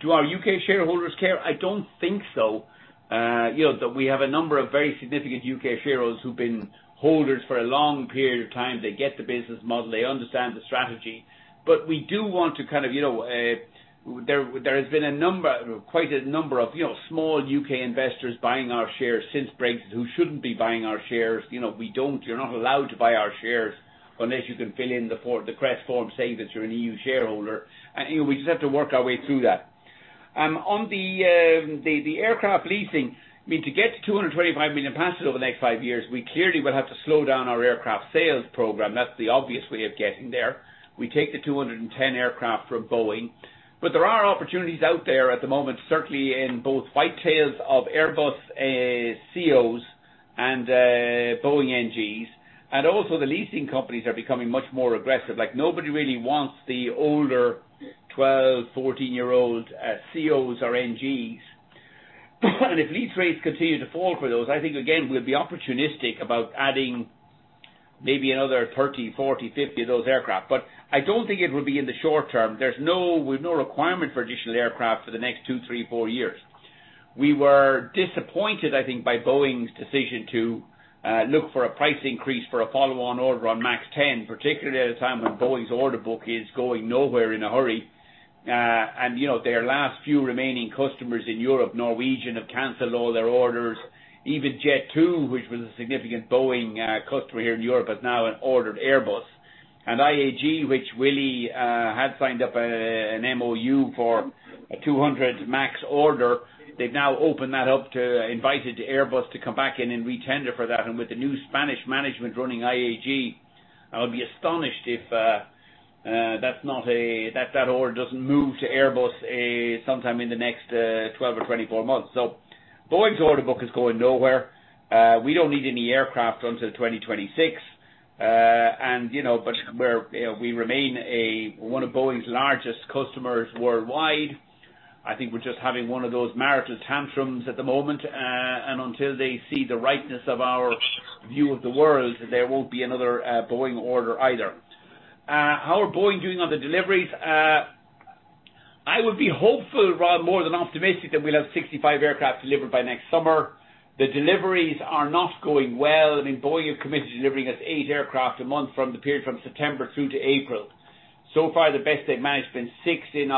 Do our U.K. shareholders care? I don't think so. You know, we have a number of very significant U.K. shareholders who've been holders for a long period of time. They get the business model, they understand the strategy. We do want to kind of, you know, there has been a number, quite a number of, you know, small U.K. investors buying our shares since Brexit who shouldn't be buying our shares. You know, you're not allowed to buy our shares unless you can fill in the form, the CREST form saying that you're an EU shareholder. You know, we just have to work our way through that. On the aircraft leasing, I mean, to get to 225 million passengers over the next five years, we clearly will have to slow down our aircraft sales program. That's the obvious way of getting there. We take the 210 aircraft from Boeing. There are opportunities out there at the moment, certainly in both white tails of Airbus COs and Boeing NGs. Also the leasing companies are becoming much more aggressive. Like, nobody really wants the older 12, 14-year-old COs or NGs. If lease rates continue to fall for those, I think again, we'll be opportunistic about adding maybe another 30, 40, 50 of those aircraft. I don't think it will be in the short term. We've no requirement for additional aircraft for the next two, three, four years. We were disappointed, I think, by Boeing's decision to look for a price increase for a follow-on order on MAX 10, particularly at a time when Boeing's order book is going nowhere in a hurry. You know, their last few remaining customers in Europe, Norwegian, have canceled all their orders. Even Jet2, which was a significant Boeing customer here in Europe, has now ordered Airbus. IAG, which really had signed up an MoU for a 200 MAX order, they've now opened that up invited Airbus to come back in and retender for that. With the new Spanish management running IAG, I would be astonished if that order doesn't move to Airbus sometime in the next 12 or 24 months. Boeing's order book is going nowhere. We don't need any aircraft until 2026. You know, we remain one of Boeing's largest customers worldwide. I think we're just having one of those marital tantrums at the moment. Until they see the rightness of our view of the world, there won't be another Boeing order either. How are Boeing doing on the deliveries? I would be hopeful, Rob, more than optimistic that we'll have 65 aircraft delivered by next summer. The deliveries are not going well. I mean, Boeing have committed to delivering us eight aircraft a month from the period from September through to April. So far, the best they've managed has been six in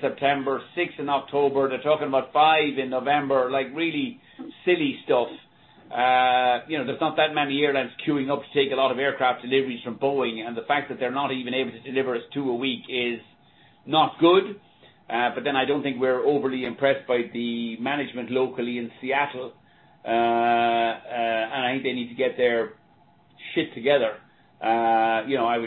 September, six in October. They're talking about five in November, like really silly stuff. You know, there's not that many airlines queuing up to take a lot of aircraft deliveries from Boeing, and the fact that they're not even able to deliver us two a week is not good. I don't think we're overly impressed by the management locally in Seattle. I think they need to get their shit together. You know,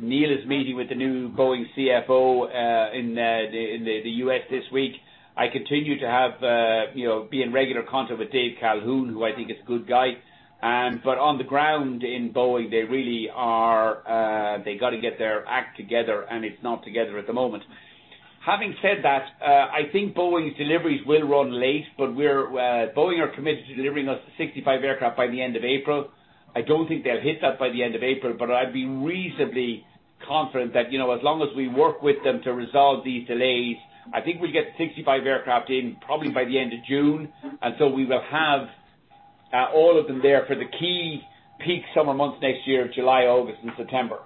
Neil is meeting with the new Boeing CFO in the U.S. this week. I continue to have you know to be in regular contact with Dave Calhoun, who I think is a good guy. But on the ground in Boeing, they really gotta get their act together, and it's not together at the moment. Having said that, I think Boeing's deliveries will run late, but Boeing are committed to delivering us 65 aircraft by the end of April. I don't think they'll hit that by the end of April, but I'd be reasonably confident that you know as long as we work with them to resolve these delays, I think we get 65 aircraft in probably by the end of June. We will have all of them there for the key peak summer months next year, July, August and September.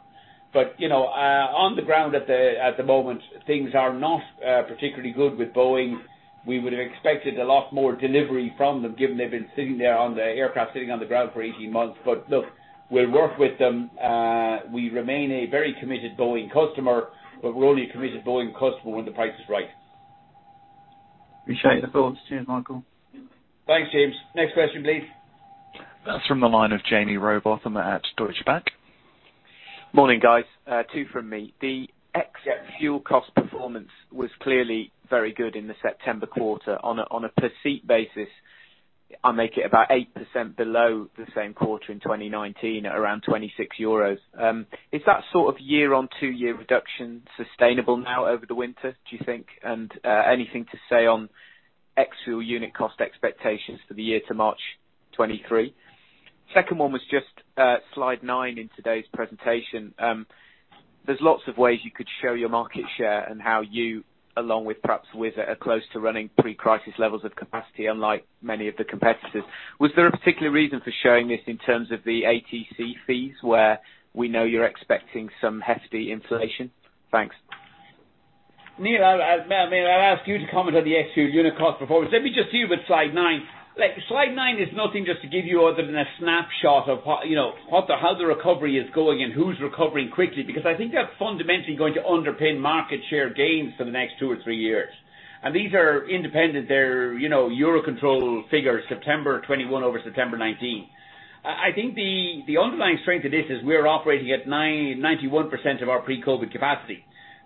You know, on the ground at the moment, things are not particularly good with Boeing. We would have expected a lot more delivery from them, given they've been sitting there on the aircraft, sitting on the ground for 18 months. Look, we'll work with them. We remain a very committed Boeing customer, but we're only a committed Boeing customer when the price is right. Appreciate the thoughts. Cheers, Michael. Thanks, James. Next question, please. That's from the line of Jaime Rowbotham at Deutsche Bank. Morning, guys. Two from me. The exit fuel cost performance was clearly very good in the September quarter. On a per seat basis, I make it about 8% below the same quarter in 2019 at around 26 euros. Is that sort of year-on-year reduction sustainable now over the winter, do you think? Anything to say on ex-fuel unit cost expectations for the year to March 2023? Second one was just slide nine in today's presentation. There's lots of ways you could show your market share and how you along with perhaps Wizz Air are close to running pre-crisis levels of capacity unlike many of the competitors. Was there a particular reason for showing this in terms of the ATC fees, where we know you're expecting some hefty inflation? Thanks. Neil, I mean, I'd ask you to comment on the ex-fuel unit cost performance. Let me just deal with slide nine. Slide nine is nothing just to give you other than a snapshot of what, you know, how the recovery is going and who's recovering quickly, because I think that's fundamentally going to underpin market share gains for the next two or three years. These are independent. They're, you know, Eurocontrol figures, September 2021 over September 2019. I think the underlying strength of this is we're operating at 91% of our pre-COVID capacity.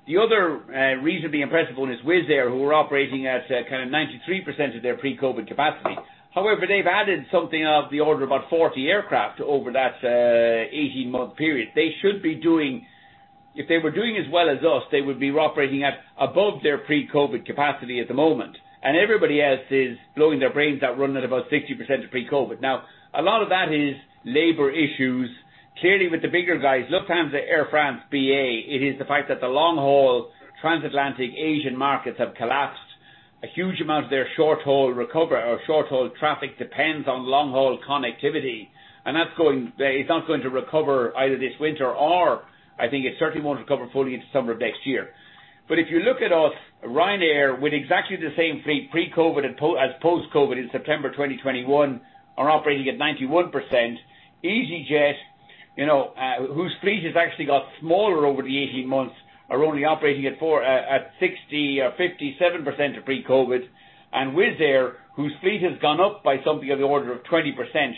The other reasonably impressive one Wizz Air, who are operating at kind of 93% of their pre-COVID capacity. However, they've added something of the order about 40 aircraft over that 18-month period. They should be doing... If they were doing as well as us, they would be operating at above their pre-COVID capacity at the moment. Everybody else is blowing their brains out running at about 60% of pre-COVID. Now, a lot of that is labor issues. Clearly with the bigger guys, Lufthansa, Air France, BA, it is the fact that the long-haul transatlantic Asian markets have collapsed. A huge amount of their short-haul recovery or short-haul traffic depends on long-haul connectivity. That's going, it's not going to recover either this winter or I think it certainly won't recover fully into summer of next year. If you look at us, Ryanair, with exactly the same fleet pre-COVID and as post-COVID in September 2021, are operating at 91%. easyJet, you know, whose fleet has actually got smaller over the 18 months, are only operating at 40% or 57% of Wizz Air, whose fleet has gone up by something of the order of 20%,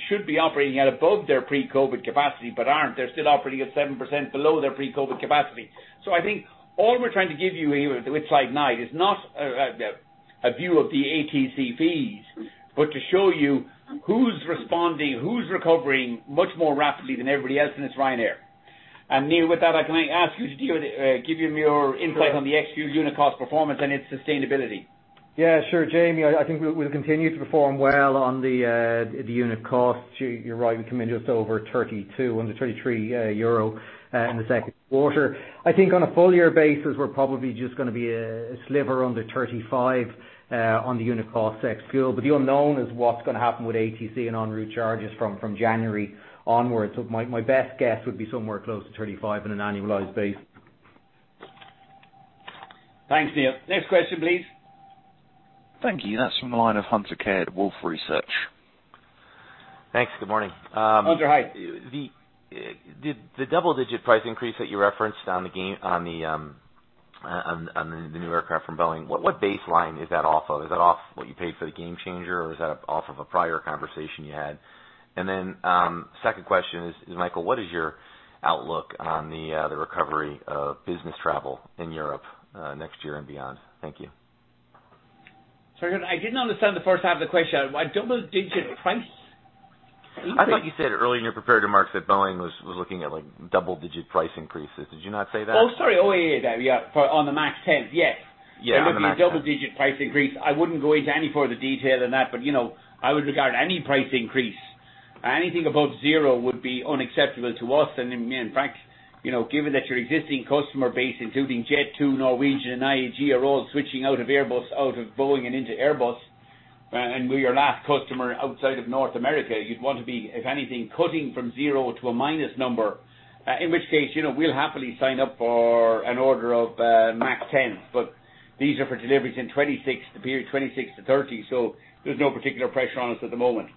should be operating at above their pre-COVID capacity, but aren't. They're still operating at 7% below their pre-COVID capacity. I think all we're trying to give you here with slide nine is not a view of the ATC fees, but to show you who's responding, who's recovering much more rapidly than everybody else, and it's Ryanair. Neil, with that, I may ask you to give him your insight. Sure. on the ex-fuel unit cost performance and its sustainability. Yeah, sure, Jamie, I think we'll continue to perform well on the unit costs. You're right, we come in just over 32, under 33 euro in the second quarter. I think on a full year basis, we're probably just gonna be a sliver under 35 on the unit cost ex-fuel. The unknown is what's gonna happen with ATC and enroute charges from January onwards. My best guess would be somewhere close to 35 on an annualized basis. Thanks, Neil. Next question, please. Thank you. That's from the line of Hunter Keay, Wolfe Research. Thanks. Good morning. Hunter, hi. The double-digit price increase that you referenced on the Gamechanger, what baseline is that off of? Is that off what you paid for the Gamechanger or is that off of a prior conversation you had? Second question is, Michael, what is your outlook on the recovery of business travel in Europe next year and beyond? Thank you. Sorry, I didn't understand the first half of the question. What double-digit price increase? I thought you said earlier in your prepared remarks that Boeing was looking at like double-digit price increases. Did you not say that? Oh, sorry. Oh, yeah. Yeah. For the MAX 10, yes. Yeah, on the MAX 10. There would be a double-digit price increase. I wouldn't go into any further detail than that, but you know, I would regard any price increase. Anything above zero would be unacceptable to us. In fact, you know, given that your existing customer base, including Jet2, Norwegian, and IAG are all switching out of Airbus, out of Boeing and into Airbus, and we're your last customer outside of North America, you'd want to be, if anything, cutting from zero to a minus number, in which case, you know, we'll happily sign up for an order of MAX 10s, but these are for deliveries in 2026, the period 2026 to 2030. There's no particular pressure on us at the moment.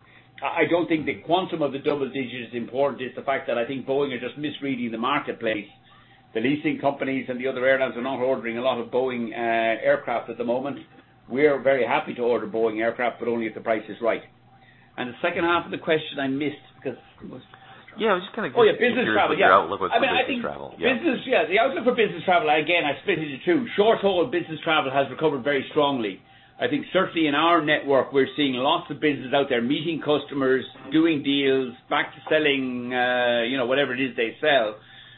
I don't think the quantum of the double digit is important. It's the fact that I think Boeing are just misreading the marketplace. The leasing companies and the other airlines are not ordering a lot of Boeing aircraft at the moment. We're very happy to order Boeing aircraft, but only if the price is right. The second half of the question I missed because it was. Yeah, I was just kinda curious. Oh, yeah, business travel. Yeah. What your outlook was for business travel. Yeah. I mean, I think. Yeah, the outlook for business travel, again, I split it in two. Short-haul business travel has recovered very strongly. I think certainly in our network, we're seeing lots of businesses out there, meeting customers, doing deals, back to selling, you know, whatever it is they sell.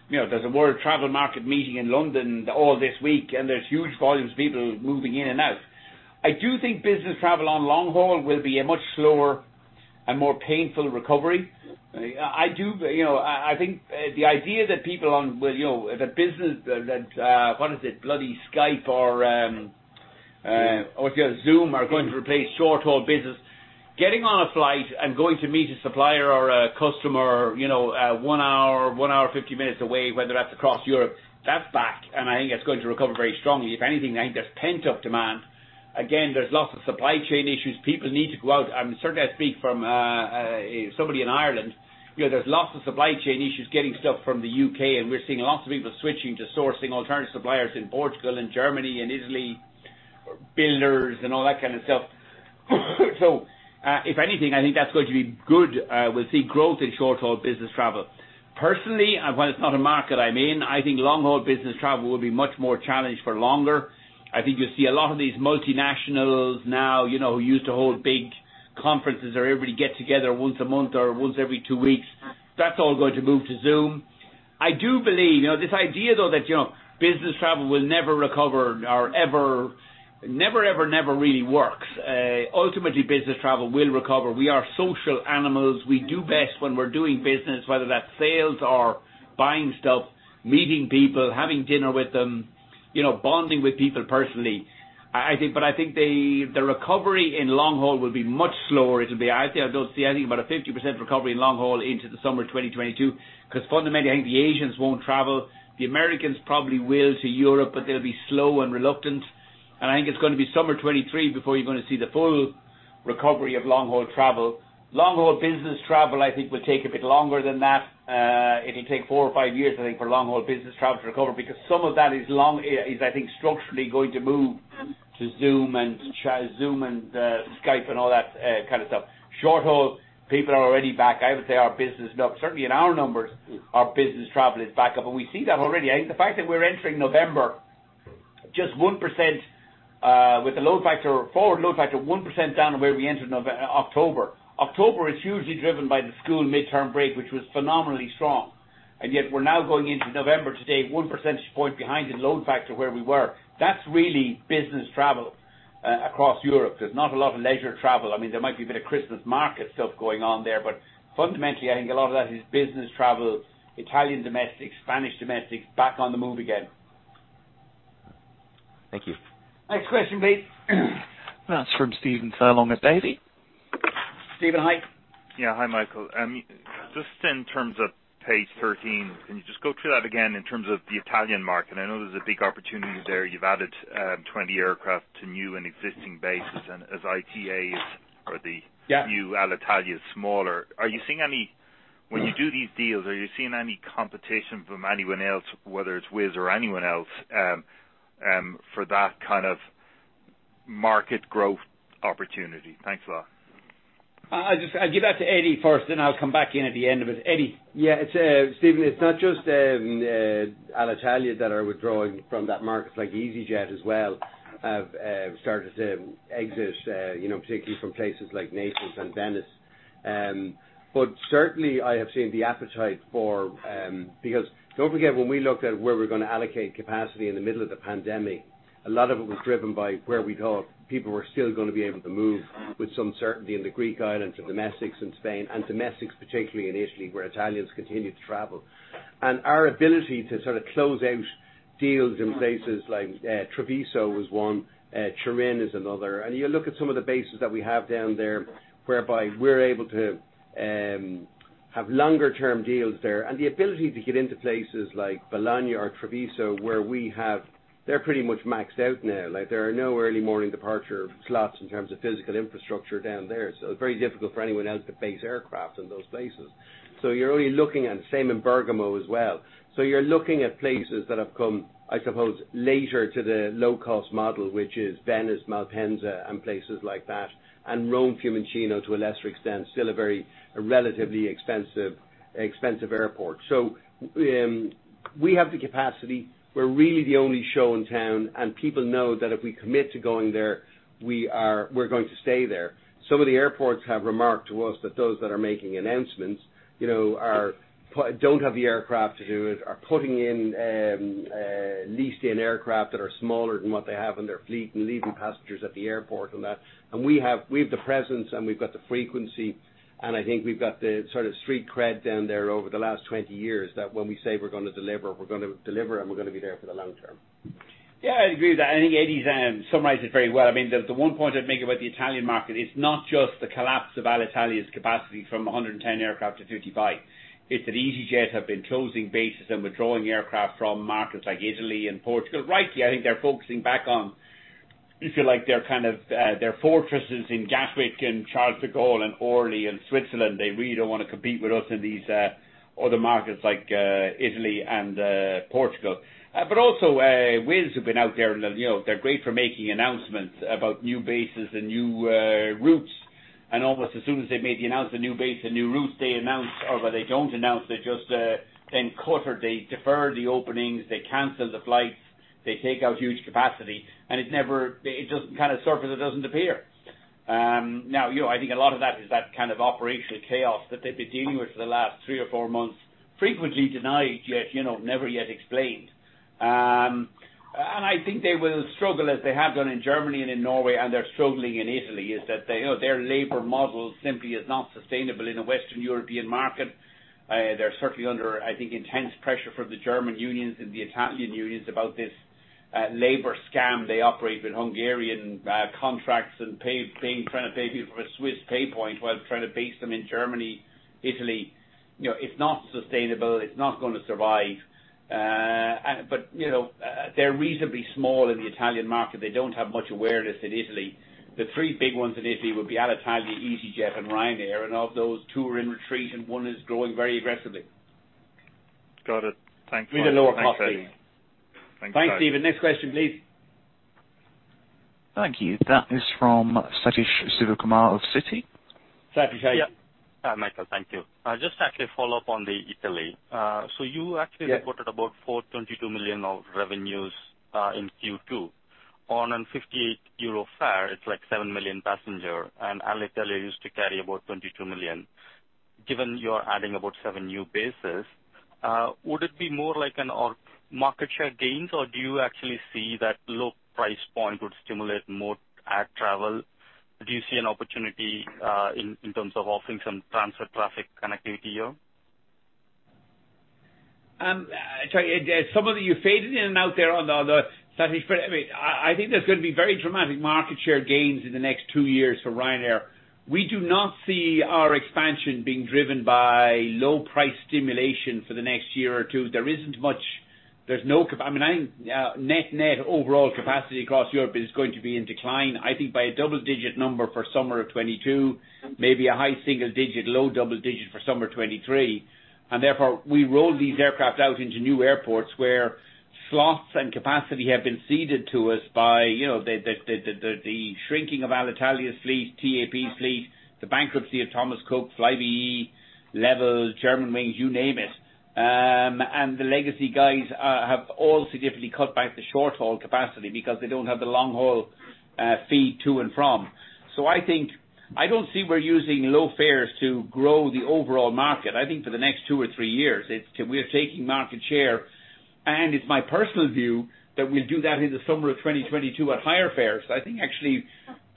You know, there's a World Travel Market meeting in London all this week, and there's huge volumes of people moving in and out. I do think business travel on long haul will be a much slower and more painful recovery. You know, I think the idea that people. Well, you know, if a business that, what is it? Bloody Skype or, what's the other? Zoom are going to replace short-haul business. Getting on a flight and going to meet a supplier or a customer, you know, 1 hour or 1 hour 50 minutes away, whether that's across Europe, that's back, and I think it's going to recover very strongly. If anything, I think there's pent-up demand. Again, there's lots of supply chain issues. People need to go out. Certainly I speak from somebody in Ireland, you know, there's lots of supply chain issues getting stuff from the U.K., and we're seeing lots of people switching to sourcing alternative suppliers in Portugal and Germany and Italy, builders and all that kind of stuff. If anything, I think that's going to be good. We'll see growth in short-haul business travel. Personally, and while it's not a market I'm in, I think long-haul business travel will be much more challenged for longer. I think you'll see a lot of these multinationals now, you know, who used to hold big conferences or everybody get together once a month or once every two weeks, that's all going to move to Zoom. I do believe you know, this idea though that, you know, business travel will never recover or ever never ever really works. Ultimately business travel will recover. We are social animals. We do best when we're doing business, whether that's sales or buying stuff, meeting people, having dinner with them, you know, bonding with people personally. I think the recovery in long haul will be much slower. It'll be, I'd say, I don't see anything but a 50% recovery in long haul into the summer of 2022, 'cause fundamentally, I think the Asians won't travel. The Americans probably will to Europe, but they'll be slow and reluctant. I think it's gonna be summer 2023 before you're gonna see the full recovery of long-haul travel. Long-haul business travel I think will take a bit longer than that. It'll take four or five years, I think, for long-haul business travel to recover because some of that is long, is I think structurally going to move to Zoom and Zoom and Skype and all that kind of stuff. Short haul, people are already back. I would say our business, no, certainly in our numbers, our business travel is back up and we see that already. I think the fact that we're entering November just 1% with a load factor, forward load factor 1% down to where we entered October. October is usually driven by the school midterm break, which was phenomenally strong. Yet we're now going into November today, 1 percentage point behind in load factor where we were. That's really business travel across Europe. There's not a lot of leisure travel. I mean, there might be a bit of Christmas market stuff going on there, but fundamentally, I think a lot of that is business travel, Italian domestic, Spanish domestic, back on the move again. Thank you. Next question, please. Next from Stephen Furlong at Davy. Stephen, hi. Hi, Michael. Just in terms of page 13, can you just go through that again in terms of the Italian market? I know there's a big opportunity there. You've added 20 aircraft to new and existing bases, and as ITA is or the- Yeah. When you do these deals, are you seeing any competition from anyone else, whether it's Wizz Air or anyone else, for that kind of market growth opportunity? Thanks a lot. I'll give that to Eddie first, and I'll come back in at the end of it. Eddie. Yeah. It's Stephen, it's not just Alitalia that are withdrawing from that market, like easyJet as well have started to exit, you know, particularly from places like Naples and Venice. Certainly I have seen the appetite for, because don't forget, when we looked at where we're gonna allocate capacity in the middle of the pandemic, a lot of it was driven by where we thought people were still gonna be able to move with some certainty in the Greek Islands and domestics in Spain, and domestics, particularly in Italy, where Italians continued to travel. Our ability to sort of close out deals in places like Treviso was one, Turin is another. You look at some of the bases that we have down there, whereby we're able to have longer term deals there. The ability to get into places like Bologna or Treviso, where we have. They're pretty much maxed out now. Like, there are no early morning departure slots in terms of physical infrastructure down there. It's very difficult for anyone else to base aircraft in those places. You're only looking at the same in Bergamo as well. You're looking at places that have come, I suppose, later to the low cost model, which is Venice, Malpensa and places like that, and Rome Fiumicino, to a lesser extent, still a very, a relatively expensive airport. We have the capacity. We're really the only show in town, and people know that if we commit to going there, we're going to stay there. Some of the airports have remarked to us that those that are making announcements, you know, don't have the aircraft to do it, are putting in leased-in aircraft that are smaller than what they have in their fleet and leaving passengers at the airport on that. We have the presence and we've got the frequency, and I think we've got the sort of street cred down there over the last 20 years that when we say we're gonna deliver, we're gonna deliver and we're gonna be there for the long term. Yeah, I agree with that. I think Eddie's summarized it very well. I mean, the one point I'd make about the Italian market, it's not just the collapse of Alitalia's capacity from 110 aircraft to 55. It's that easyJet have been closing bases and withdrawing aircraft from markets like Italy and Portugal. Rightly, I think they're focusing back on, if you like, their kind of, their fortresses in Gatwick and Charles de Gaulle and Orly and Switzerland. They really don't wanna compete with us in these, other markets like, Italy and, Portugal. But also, Wizz Air have been out there. You know, they're great for making announcements about new bases and new routes, and almost as soon as they've made the announcement of new base and new routes, they announce or they don't announce, they just then cut or they defer the openings, they cancel the flights, they take out huge capacity, and it never. It doesn't kind of surface. It doesn't appear. Now, you know, I think a lot of that is that kind of operational chaos that they've been dealing with for the last three or four months, frequently denied, yet, you know, never yet explained. I think they will struggle as they have done in Germany and in Norway, and they're struggling in Italy, in that they, you know, their labor model simply is not sustainable in a Western European market. They're certainly under, I think, intense pressure from the German unions and the Italian unions about this labor scam they operate with Hungarian contracts and paying, trying to pay people from a Swiss pay point while trying to base them in Germany, Italy. You know, it's not sustainable. It's not gonna survive. They're reasonably small in the Italian market. They don't have much awareness in Italy. The three big ones in Italy would be Alitalia, easyJet, and Ryanair, and of those, two are in retreat and one is growing very aggressively. Got it. Thanks, Michael. With a lower cost base. Thanks. Thanks, Stephen. Next question, please. Thank you. That is from Sathish Sivakumar of Citi. Sathish, how are you? Hi, Michael. Thank you. I just actually follow up on Italy. So you actually- Yeah. Reported about 422 million of revenues in Q2 on a 58 euro fare. It's like 7 million passengers, and Alitalia used to carry about 22 million. Given you're adding about seven new bases, would it be more like organic or market share gains? Or do you actually see that low price point would stimulate more air travel? Do you see an opportunity in terms of offering some transfer traffic connectivity here? Sorry, some of you faded in and out there on the other side. I mean, I think there's gonna be very dramatic market share gains in the next two years for Ryanair. We do not see our expansion being driven by low price stimulation for the next year or two. There isn't much. I mean, net overall capacity across Europe is going to be in decline, I think by a double-digit number for summer of 2022, maybe a high single digit, low double digit for summer 2023. Therefore, we roll these aircraft out into new airports where slots and capacity have been ceded to us by, you know, the shrinking of Alitalia's fleet, TAP's fleet, the bankruptcy of Thomas Cook, Flybe, Level, Germanwings, you name it. The legacy guys have all significantly cut back the short-haul capacity because they don't have the long-haul feed to and from. I don't see we're using low fares to grow the overall market. I think for the next two or three years, we're taking market share. It's my personal view that we'll do that in the summer of 2022 at higher fares. I think actually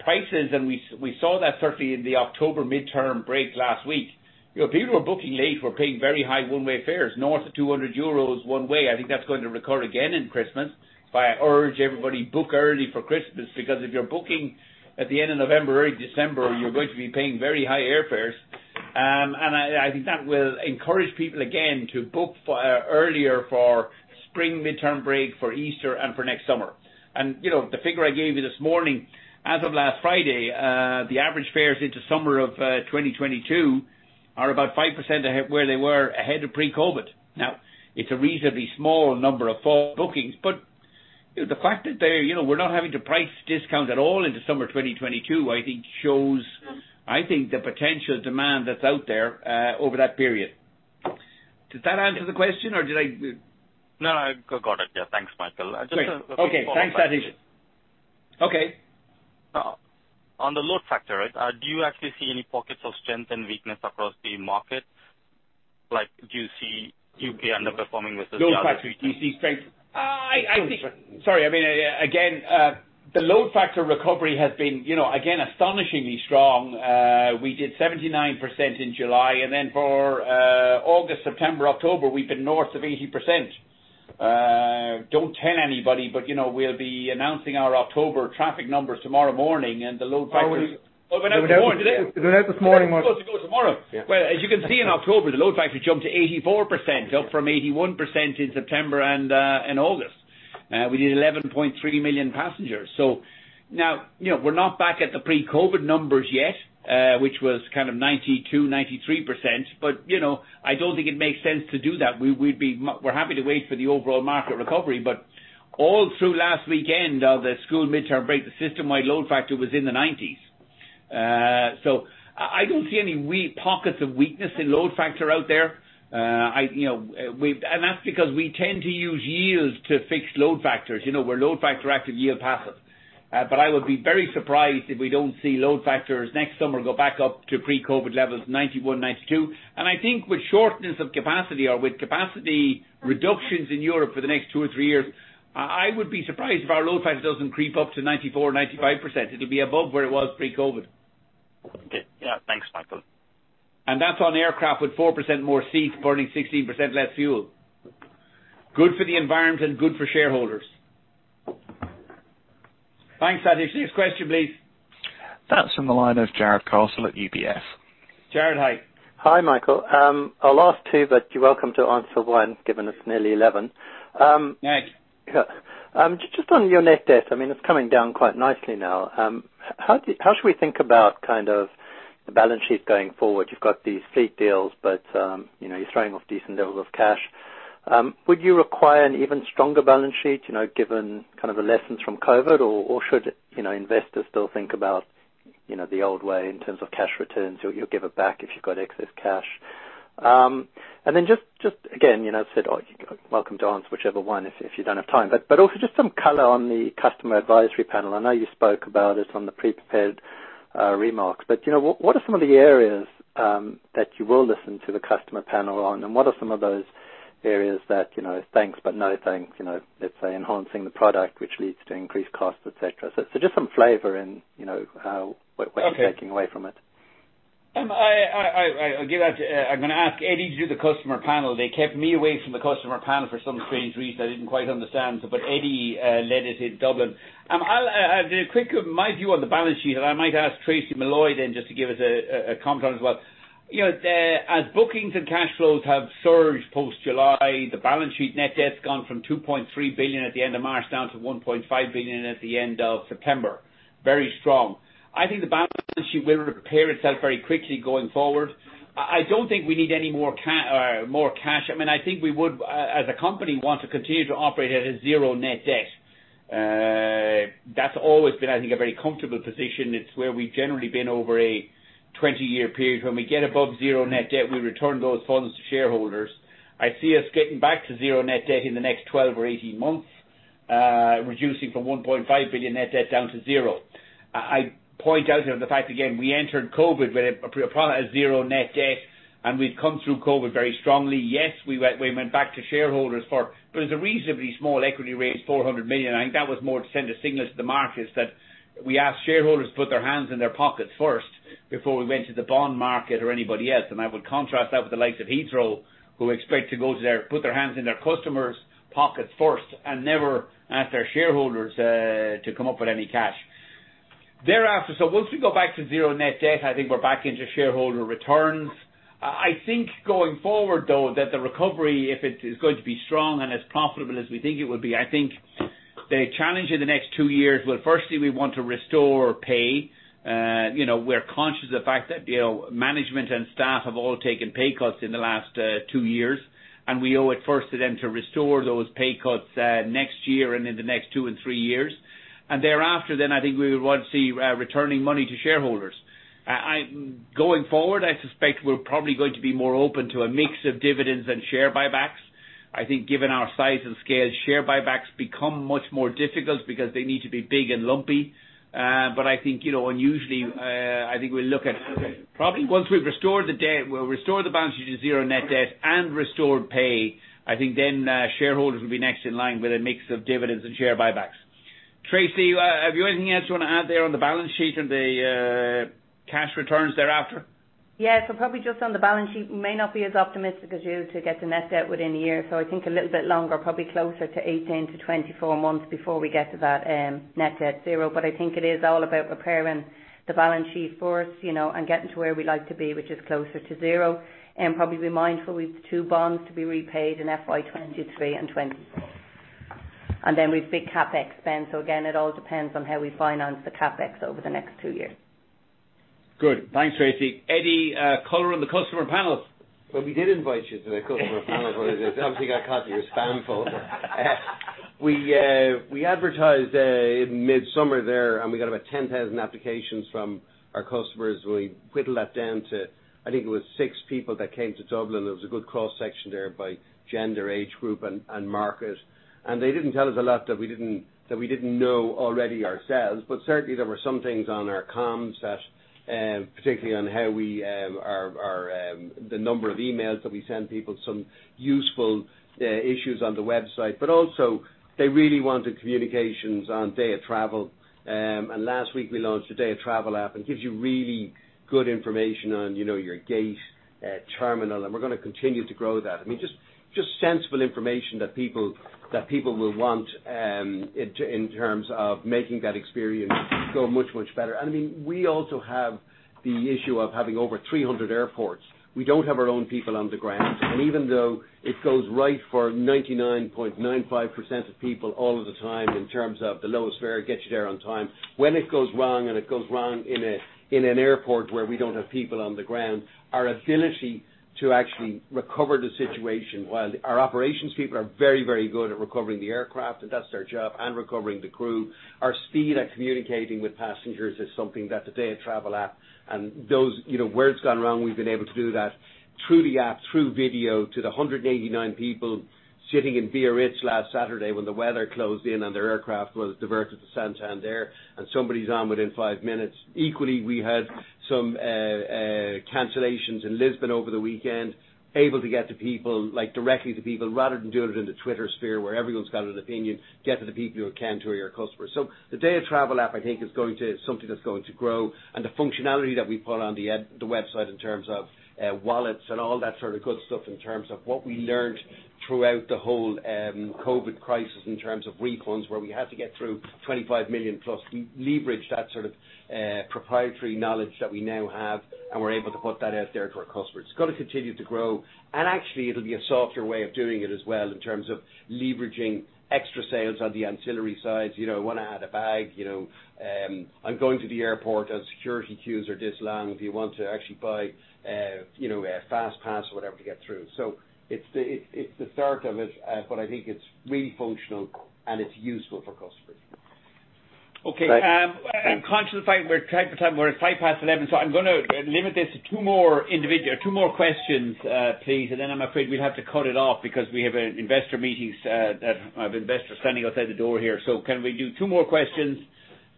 prices, and we saw that certainly in the October midterm break last week. You know, people who are booking late were paying very high one-way fares, north of 200 euros one way. I think that's going to recur again in Christmas. I urge everybody, book early for Christmas, because if you're booking at the end of November, early December, you're going to be paying very high airfares. I think that will encourage people again to book earlier for spring midterm break, for Easter and for next summer. You know, the figure I gave you this morning, as of last Friday, the average fares into summer of 2022 are about 5% ahead of where they were pre-COVID. Now, it's a reasonably small number of full bookings, but you know, the fact that they are you know, we are not having to price discount at all into summer 2022, I think shows the potential demand that's out there over that period. Does that answer the question or did I- No, I got it. Yeah. Thanks, Michael. Great. Okay. A few follow-up questions. Thanks, Sathish. Okay. On the load factor, do you actually see any pockets of strength and weakness across the market? Like, do you see U.K. underperforming with the- Load factor, you see strength. I think. Sorry. I mean, again, the load factor recovery has been, you know, again, astonishingly strong. We did 79% in July, and then for August, September, October, we've been north of 80%. Don't tell anybody, but, you know, we'll be announcing our October traffic numbers tomorrow morning, and the load factors. Oh, went out tomorrow? Today. <crosstalk> Well, as you can see in October, the load factor jumped to 84%, up from 81% in September and in August. We did 11.3 million passengers. Now, you know, we're not back at the pre-COVID numbers yet, which was kind of 92%-93%. You know, I don't think it makes sense to do that. We're happy to wait for the overall market recovery. All through last weekend of the school midterm break, the systemwide load factor was in the 90%. I don't see any weak pockets of weakness in load factor out there. You know, that's because we tend to use yields to fix load factors. You know, we're a load factor active yield passive. I would be very surprised if we don't see load factors next summer go back up to pre-COVID levels, 91%-92%. I think with shortage of capacity or with capacity reductions in Europe for the next two or three years, I would be surprised if our load factor doesn't creep up to 94%-95%. It'll be above where it was pre-COVID. Okay. Yeah. Thanks, Michael. That's on aircraft with 4% more seats burning 16% less fuel. Good for the environment, good for shareholders. Thanks, Sathish. Next question, please. That's from the line of Jarrod Castle at UBS. Jarrod, hi. Hi, Michael. I'll ask two, but you're welcome to answer one, given it's nearly 11. No. Yeah. Just on your net debt, I mean, it's coming down quite nicely now. How should we think about kind of the balance sheet going forward? You've got these fleet deals, but you know, you're throwing off decent levels of cash. Would you require an even stronger balance sheet, you know, given kind of the lessons from COVID? Or should, you know, investors still think about, you know, the old way in terms of cash returns, you'll give it back if you've got excess cash? Then just again, you know, you're welcome to answer whichever one if you don't have time. Also just some color on the customer advisory panel. I know you spoke about it on the pre-prepared remarks, but, you know, what are some of the areas that you will listen to the customer panel on? What are some of those areas that, you know, thanks, but no thanks, you know, let's say enhancing the product, which leads to increased costs, et cetera. So just some flavor in, you know, Okay. What you're taking away from it. I'm gonna ask Eddie to do the customer panel. They kept me away from the customer panel for some strange reason I didn't quite understand, but Eddie led it in Dublin. I'll do a quick overview on the balance sheet, and I might ask Tracy Malloy then just to give us a comment as well. You know, as bookings and cash flows have surged post July, the balance sheet net debt's gone from 2.3 billion at the end of March down to 1.5 billion at the end of September. Very strong. I think the balance sheet will repair itself very quickly going forward. I don't think we need any more capital or more cash. I mean, I think we would, as a company, want to continue to operate at a zero net debt. That's always been, I think, a very comfortable position. It's where we've generally been over a 20-year period. When we get above zero net debt, we return those funds to shareholders. I see us getting back to zero net debt in the next 12 or 18 months, reducing from 1.5 billion net debt down to zero. I point out here the fact, again, we entered COVID with a zero net debt, and we've come through COVID very strongly. Yes, we went back to shareholders for a reasonably small equity raise, 400 million. I think that was more to send a signal to the markets that we asked shareholders to put their hands in their pockets first before we went to the bond market or anybody else. I would contrast that with the likes of Heathrow, who expect to put their hands in their customers' pockets first and never ask their shareholders to come up with any cash. Thereafter, once we go back to zero net debt, I think we're back into shareholder returns. I think going forward, though, that the recovery, if it is going to be strong and as profitable as we think it will be, I think the challenge in the next two years, well, firstly, we want to restore pay. You know, we're conscious of the fact that, you know, management and staff have all taken pay cuts in the last two years, and we owe it first to them to restore those pay cuts next year and in the next two and three years. Thereafter, then I think we would want to see returning money to shareholders. Going forward, I suspect we're probably going to be more open to a mix of dividends than share buybacks. I think given our size and scale, share buybacks become much more difficult because they need to be big and lumpy. I think, you know, unusually, I think we'll look at probably once we've restored the debt, we'll restore the balance sheet to zero net debt and restore pay. I think shareholders will be next in line with a mix of dividends and share buybacks. Tracey, have you anything else you want to add there on the balance sheet and the cash returns thereafter? Yeah. Probably just on the balance sheet, we may not be as optimistic as you to get to net debt within a year. I think a little bit longer, probably closer to 18-24 months before we get to that, net debt zero. I think it is all about repairing the balance sheet for us, you know, and getting to where we'd like to be, which is closer to zero. Probably be mindful with two bonds to be repaid in FY 2023 and 2024, then with big CapEx spend. Again, it all depends on how we finance the CapEx over the next two years. Good. Thanks, Tracy. Eddie, color on the customer panels. Well, we did invite you to the customer panel, but it obviously got caught in your spam folder. We advertised in midsummer there, and we got about 10,000 applications from our customers. We whittled that down to, I think it was six people that came to Dublin. It was a good cross-section there by gender, age group, and market. They didn't tell us a lot that we didn't know already ourselves. Certainly, there were some things on our comms that particularly on how we our the number of emails that we send people, some useful issues on the website. Also they really wanted communications on day-of-travel. Last week we launched a day-of-travel app, and it gives you really good information on, you know, your gate, terminal, and we're gonna continue to grow that. I mean, just sensible information that people will want in terms of making that experience go much better. I mean, we also have the issue of having over 300 airports. We don't have our own people on the ground. Even though it goes right for 99.95% of people all of the time in terms of the lowest fare, gets you there on time. When it goes wrong, and it goes wrong in an airport where we don't have people on the ground, our ability to actually recover the situation while our operations people are very, very good at recovering the aircraft, and that's their job, and recovering the crew. Our speed at communicating with passengers is something that the day-of-travel app and those, you know, where it's gone wrong, we've been able to do that through the app, through video, to the 189 people sitting in Viareggio last Saturday when the weather closed in and their aircraft was diverted to Santander, and somebody's on within 5 minutes. Equally, we had some cancellations in Lisbon over the weekend, able to get to people, like, directly to people, rather than doing it in the Twitter sphere, where everyone's got an opinion, get to the people who can, to your customers. The day-of-travel app, I think, is going to something that's going to grow. The functionality that we put on the website in terms of wallets and all that sort of good stuff in terms of what we learned throughout the whole COVID crisis in terms of refunds, where we had to get through 25 million-plus, we leveraged that sort of proprietary knowledge that we now have, and we're able to put that out there to our customers. It's gonna continue to grow, and actually, it'll be a softer way of doing it as well in terms of leveraging extra sales on the ancillary side. You know, wanna add a bag, you know, I'm going to the airport and security queues are this long. Do you want to actually buy, you know, a fast pass or whatever to get through? So it's the start of it, but I think it's really functional and it's useful for customers. Okay. I'm conscious of the fact that we're tight for time. We're at 11:05 A.M., so I'm gonna limit this to two more questions, please. Then I'm afraid we'll have to cut it off because we have investor meetings that I have investors standing outside the door here. Can we do two more questions?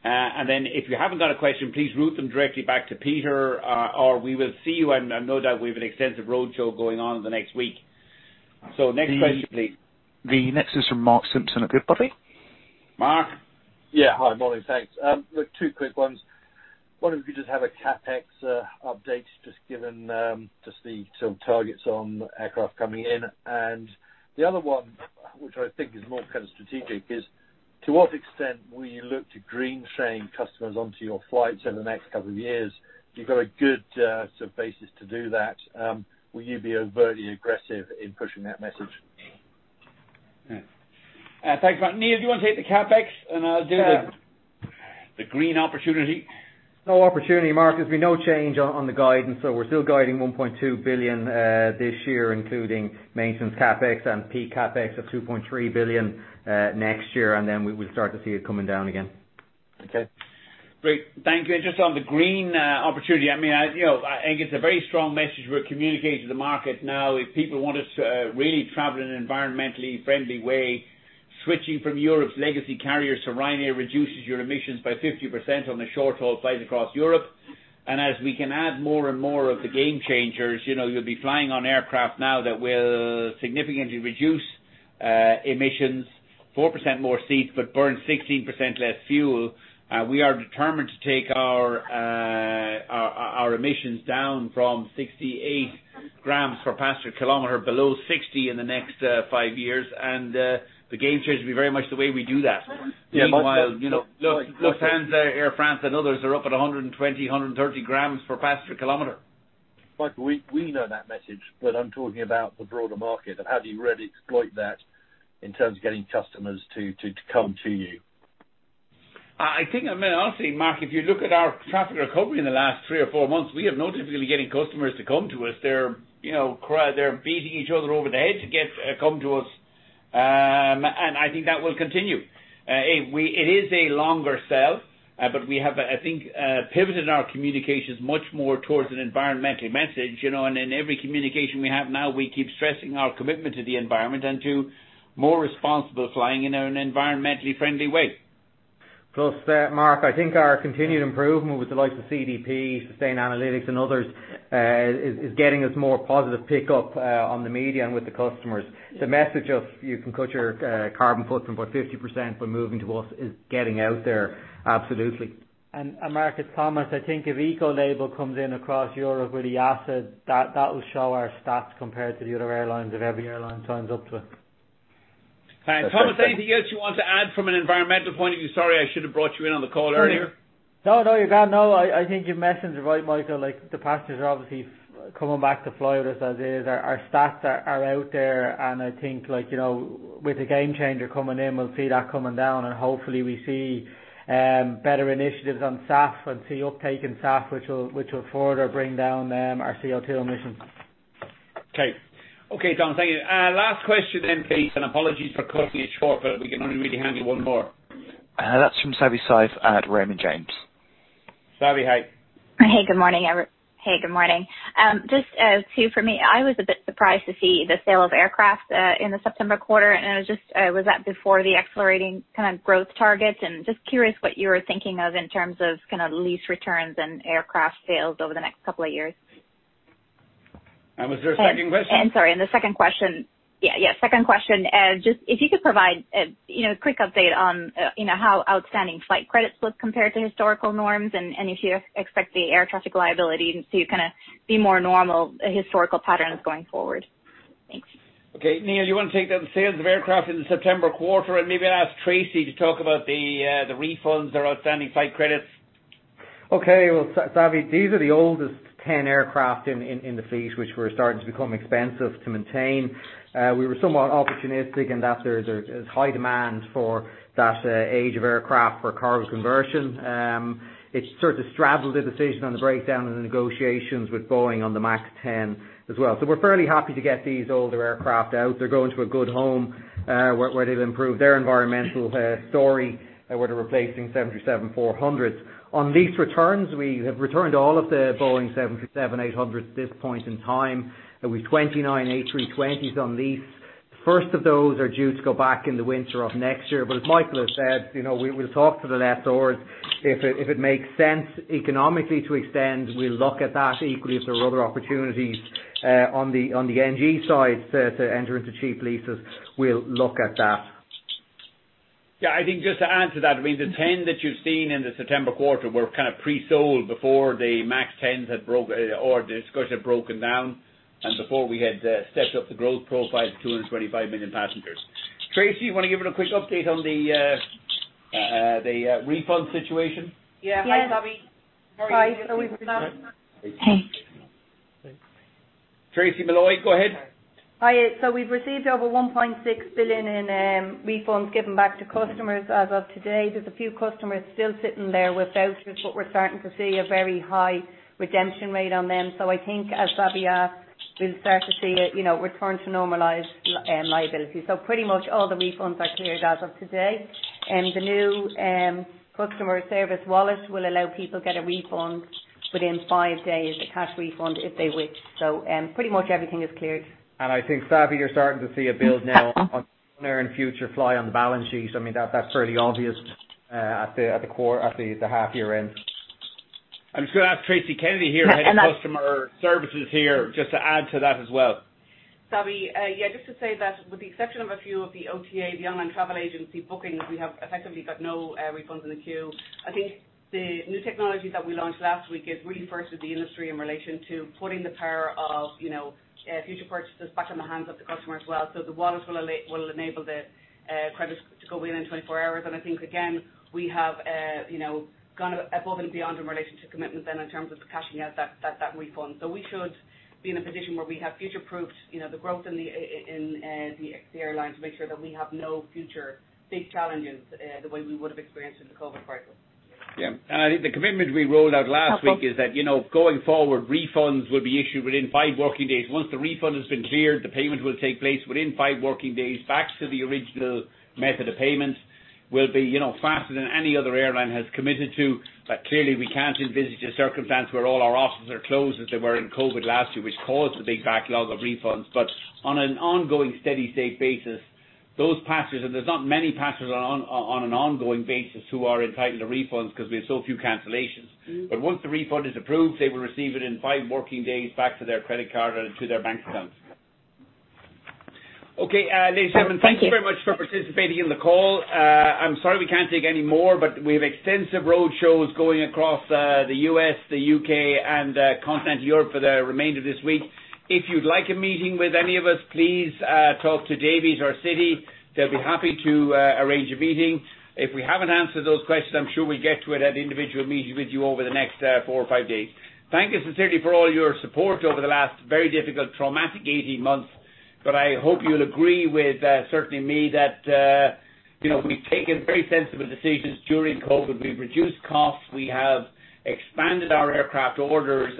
Then if you haven't got a question, please route them directly back to Peter, or we will see you. I know that we have an extensive roadshow going on in the next week. Next question, please. The next is from Mark Simpson at Goodbody Stockbrokers. Mark? Yeah. Hi. Morning. Thanks. Two quick ones. One, if you could just have a CapEx update, just given just the sort of targets on aircraft coming in. The other one, which I think is more kind of strategic, is to what extent will you look to green chain customers onto your flights over the next couple of years? You've got a good sort of basis to do that. Will you be overtly aggressive in pushing that message? Yeah. Thanks, Mark. Neil, do you want to take the CapEx, and I'll do the- The green opportunity. No opportunity, Mark. There's been no change on the guidance. We're still guiding 1.2 billion this year, including maintenance CapEx and peak CapEx of 2.3 billion next year. Then we will start to see it coming down again. Okay. Great. Thank you. Just on the green opportunity, it's a very strong message we're communicating to the market now. If people want us to really travel in an environmentally friendly way, switching from Europe's legacy carrier to Ryanair reduces your emissions by 50% on the short-haul flights across Europe. As we can add more and more of the game changers, you'll be flying on aircraft now that will significantly reduce emissions, 4% more seats, but burn 16% less fuel. We are determined to take our emissions down from 68 g per passenger kilometer below 60 g in the next five years. The game changer will be very much the way we do that. Meanwhile, you know, Lufthansa, Air France and others are up at 120 g, 130 g per passenger kilometer. Michael, we know that message, but I'm talking about the broader market and have you ready to exploit that in terms of getting customers to come to you. I think, I mean, honestly, Mark, if you look at our traffic recovery in the last three or four months, we have no difficulty getting customers to come to us. They're, you know, beating each other over the head to get come to us. I think that will continue. It is a longer sell, but we have, I think, pivoted our communications much more towards an environmental message, you know, and in every communication we have now, we keep stressing our commitment to the environment and to more responsible flying in an environmentally friendly way. Plus, Mark, I think our continued improvement with the likes of CDP, Sustainalytics and others is getting us more positive pickup in the media and with the customers. The message of you can cut your carbon footprint by 50% by moving to us is getting out there. Absolutely. Mark, it's Thomas. I think if EU Ecolabel comes in across Europe with the rest, that will show our stats compared to the other airlines, if every airline signs up to it. Thomas, anything else you want to add from an environmental point of view? Sorry, I should have brought you in on the call earlier. No, no, you're grand. No, I think your message is right, Michael. Like, the passengers are obviously fucking coming back to fly with us as is. Our stats are out there. I think, like, you know, with the Gamechanger coming in, we'll see that coming down, and hopefully we see better initiatives on SAF and see uptake in SAF, which will further bring down our CO2 emissions. Okay. Okay, Thomas. Thank you. Last question then, please, and apologies for cutting it short, but we can only really handle one more. That's from Savanthi Syth at Raymond James. Savi, hi. Hey, good morning. Just two for me. I was a bit surprised to see the sale of aircraft in the September quarter, and was that before the accelerating kind of growth targets? Just curious what you were thinking of in terms of kind of lease returns and aircraft sales over the next couple of years. Was there a second question? Just if you could provide, you know, a quick update on, you know, how outstanding flight credits look compared to historical norms and if you expect the air traffic liability to kind of be more normal, historical patterns going forward. Thanks. Okay. Neil, you want to take the sales of aircraft in the September quarter and maybe ask Tracy to talk about the refunds or outstanding flight credits? Well, Savi, these are the oldest 10 aircraft in the fleet, which were starting to become expensive to maintain. We were somewhat opportunistic in that there's a high demand for that age of aircraft for cargo conversion. It sort of straddled the decision on the breakdown in the negotiations with Boeing on the MAX 10 as well. We're fairly happy to get these older aircraft out. They're going to a good home, where they've improved their environmental story, where they're replacing 747 400. On lease returns, we have returned all of the Boeing 737 800 at this point in time, with 29 A320 on lease. First of those are due to go back in the winter of next year. As Michael has said, you know, we'll talk to the lessors. If it makes sense economically to extend, we'll look at that equally if there are other opportunities on the NG side to enter into cheap leases, we'll look at that. Yeah, I think just to add to that, I mean, the 10 that you've seen in the September quarter were kind of pre-sold before the MAX 10 had broke or the discussion broken down and before we had stepped up the growth profile to 225 million passengers. Tracey, you wanna give it a quick update on the refund situation? <crosstalk> Hi. Tracey McCann, go ahead. Hi. We've received over 1.6 billion in refunds given back to customers as of today. There's a few customers still sitting there without it, but we're starting to see a very high redemption rate on them. I think as Savi asked, we'll start to see it, you know, return to normalized liability. Pretty much all the refunds are cleared as of today. The new customer service wallet will allow people to get a refund within five days, a cash refund if they wish. Pretty much everything is cleared. I think, Savi, you're starting to see a build now on earn future fly on the balance sheet. I mean, that's fairly obvious at the half year end. I'm just gonna have Tracey here, Head of Customer Services here just to add to that as well. Savi, just to say that with the exception of a few of the OTA, the online travel agency bookings, we have effectively got no refunds in the queue. I think the new technologies that we launched last week is really first with the industry in relation to putting the power of, you know, future purchases back in the hands of the customer as well. The wallets will enable the credits to go within 24 hours. I think again, we have, you know, gone above and beyond in relation to commitment then in terms of cashing out that refund. We should be in a position where we have future-proofed, you know, the growth in the airline to make sure that we have no future big challenges, the way we would have experienced in the COVID crisis. I think the commitment we rolled out last week is that, you know, going forward, refunds will be issued within five working days. Once the refund has been cleared, the payment will take place within five working days back to the original method of payment. We'll be, you know, faster than any other airline has committed to. Clearly we can't envisage a circumstance where all our offices are closed as they were in COVID last year, which caused the big backlog of refunds. On an ongoing steady state basis, those passengers, and there's not many passengers on an ongoing basis who are entitled to refunds because we have so few cancellations. Once the refund is approved, they will receive it in five working days back to their credit card and to their bank accounts. Okay, ladies and gentlemen. Thank you very much for participating in the call. I'm sorry we can't take any more, but we have extensive roadshows going across the U.S., the U.K. and continental Europe for the remainder of this week. If you'd like a meeting with any of us, please talk to Davy or Citi. They'll be happy to arrange a meeting. If we haven't answered those questions, I'm sure we'll get to it at individual meeting with you over the next four or five days. Thank you sincerely for all your support over the last very difficult, traumatic 18 months. I hope you'll agree with certainly me, that you know, we've taken very sensible decisions during COVID. We've reduced costs, we have expanded our aircraft orders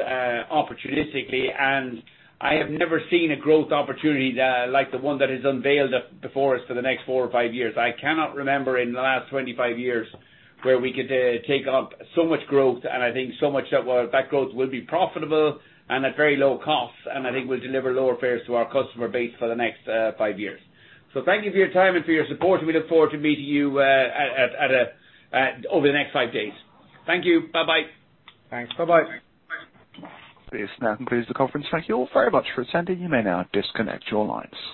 opportunistically, and I have never seen a growth opportunity that like the one that has unveiled before us for the next four or five years. I cannot remember in the last 25 years where we could take up so much growth, and I think so much of that growth will be profitable and at very low cost, and I think we'll deliver lower fares to our customer base for the next five years. Thank you for your time and for your support, and we look forward to meeting you over the next five days. Thank you. Bye-bye. This now concludes the conference. Thank you all very much for attending. You may now disconnect your lines.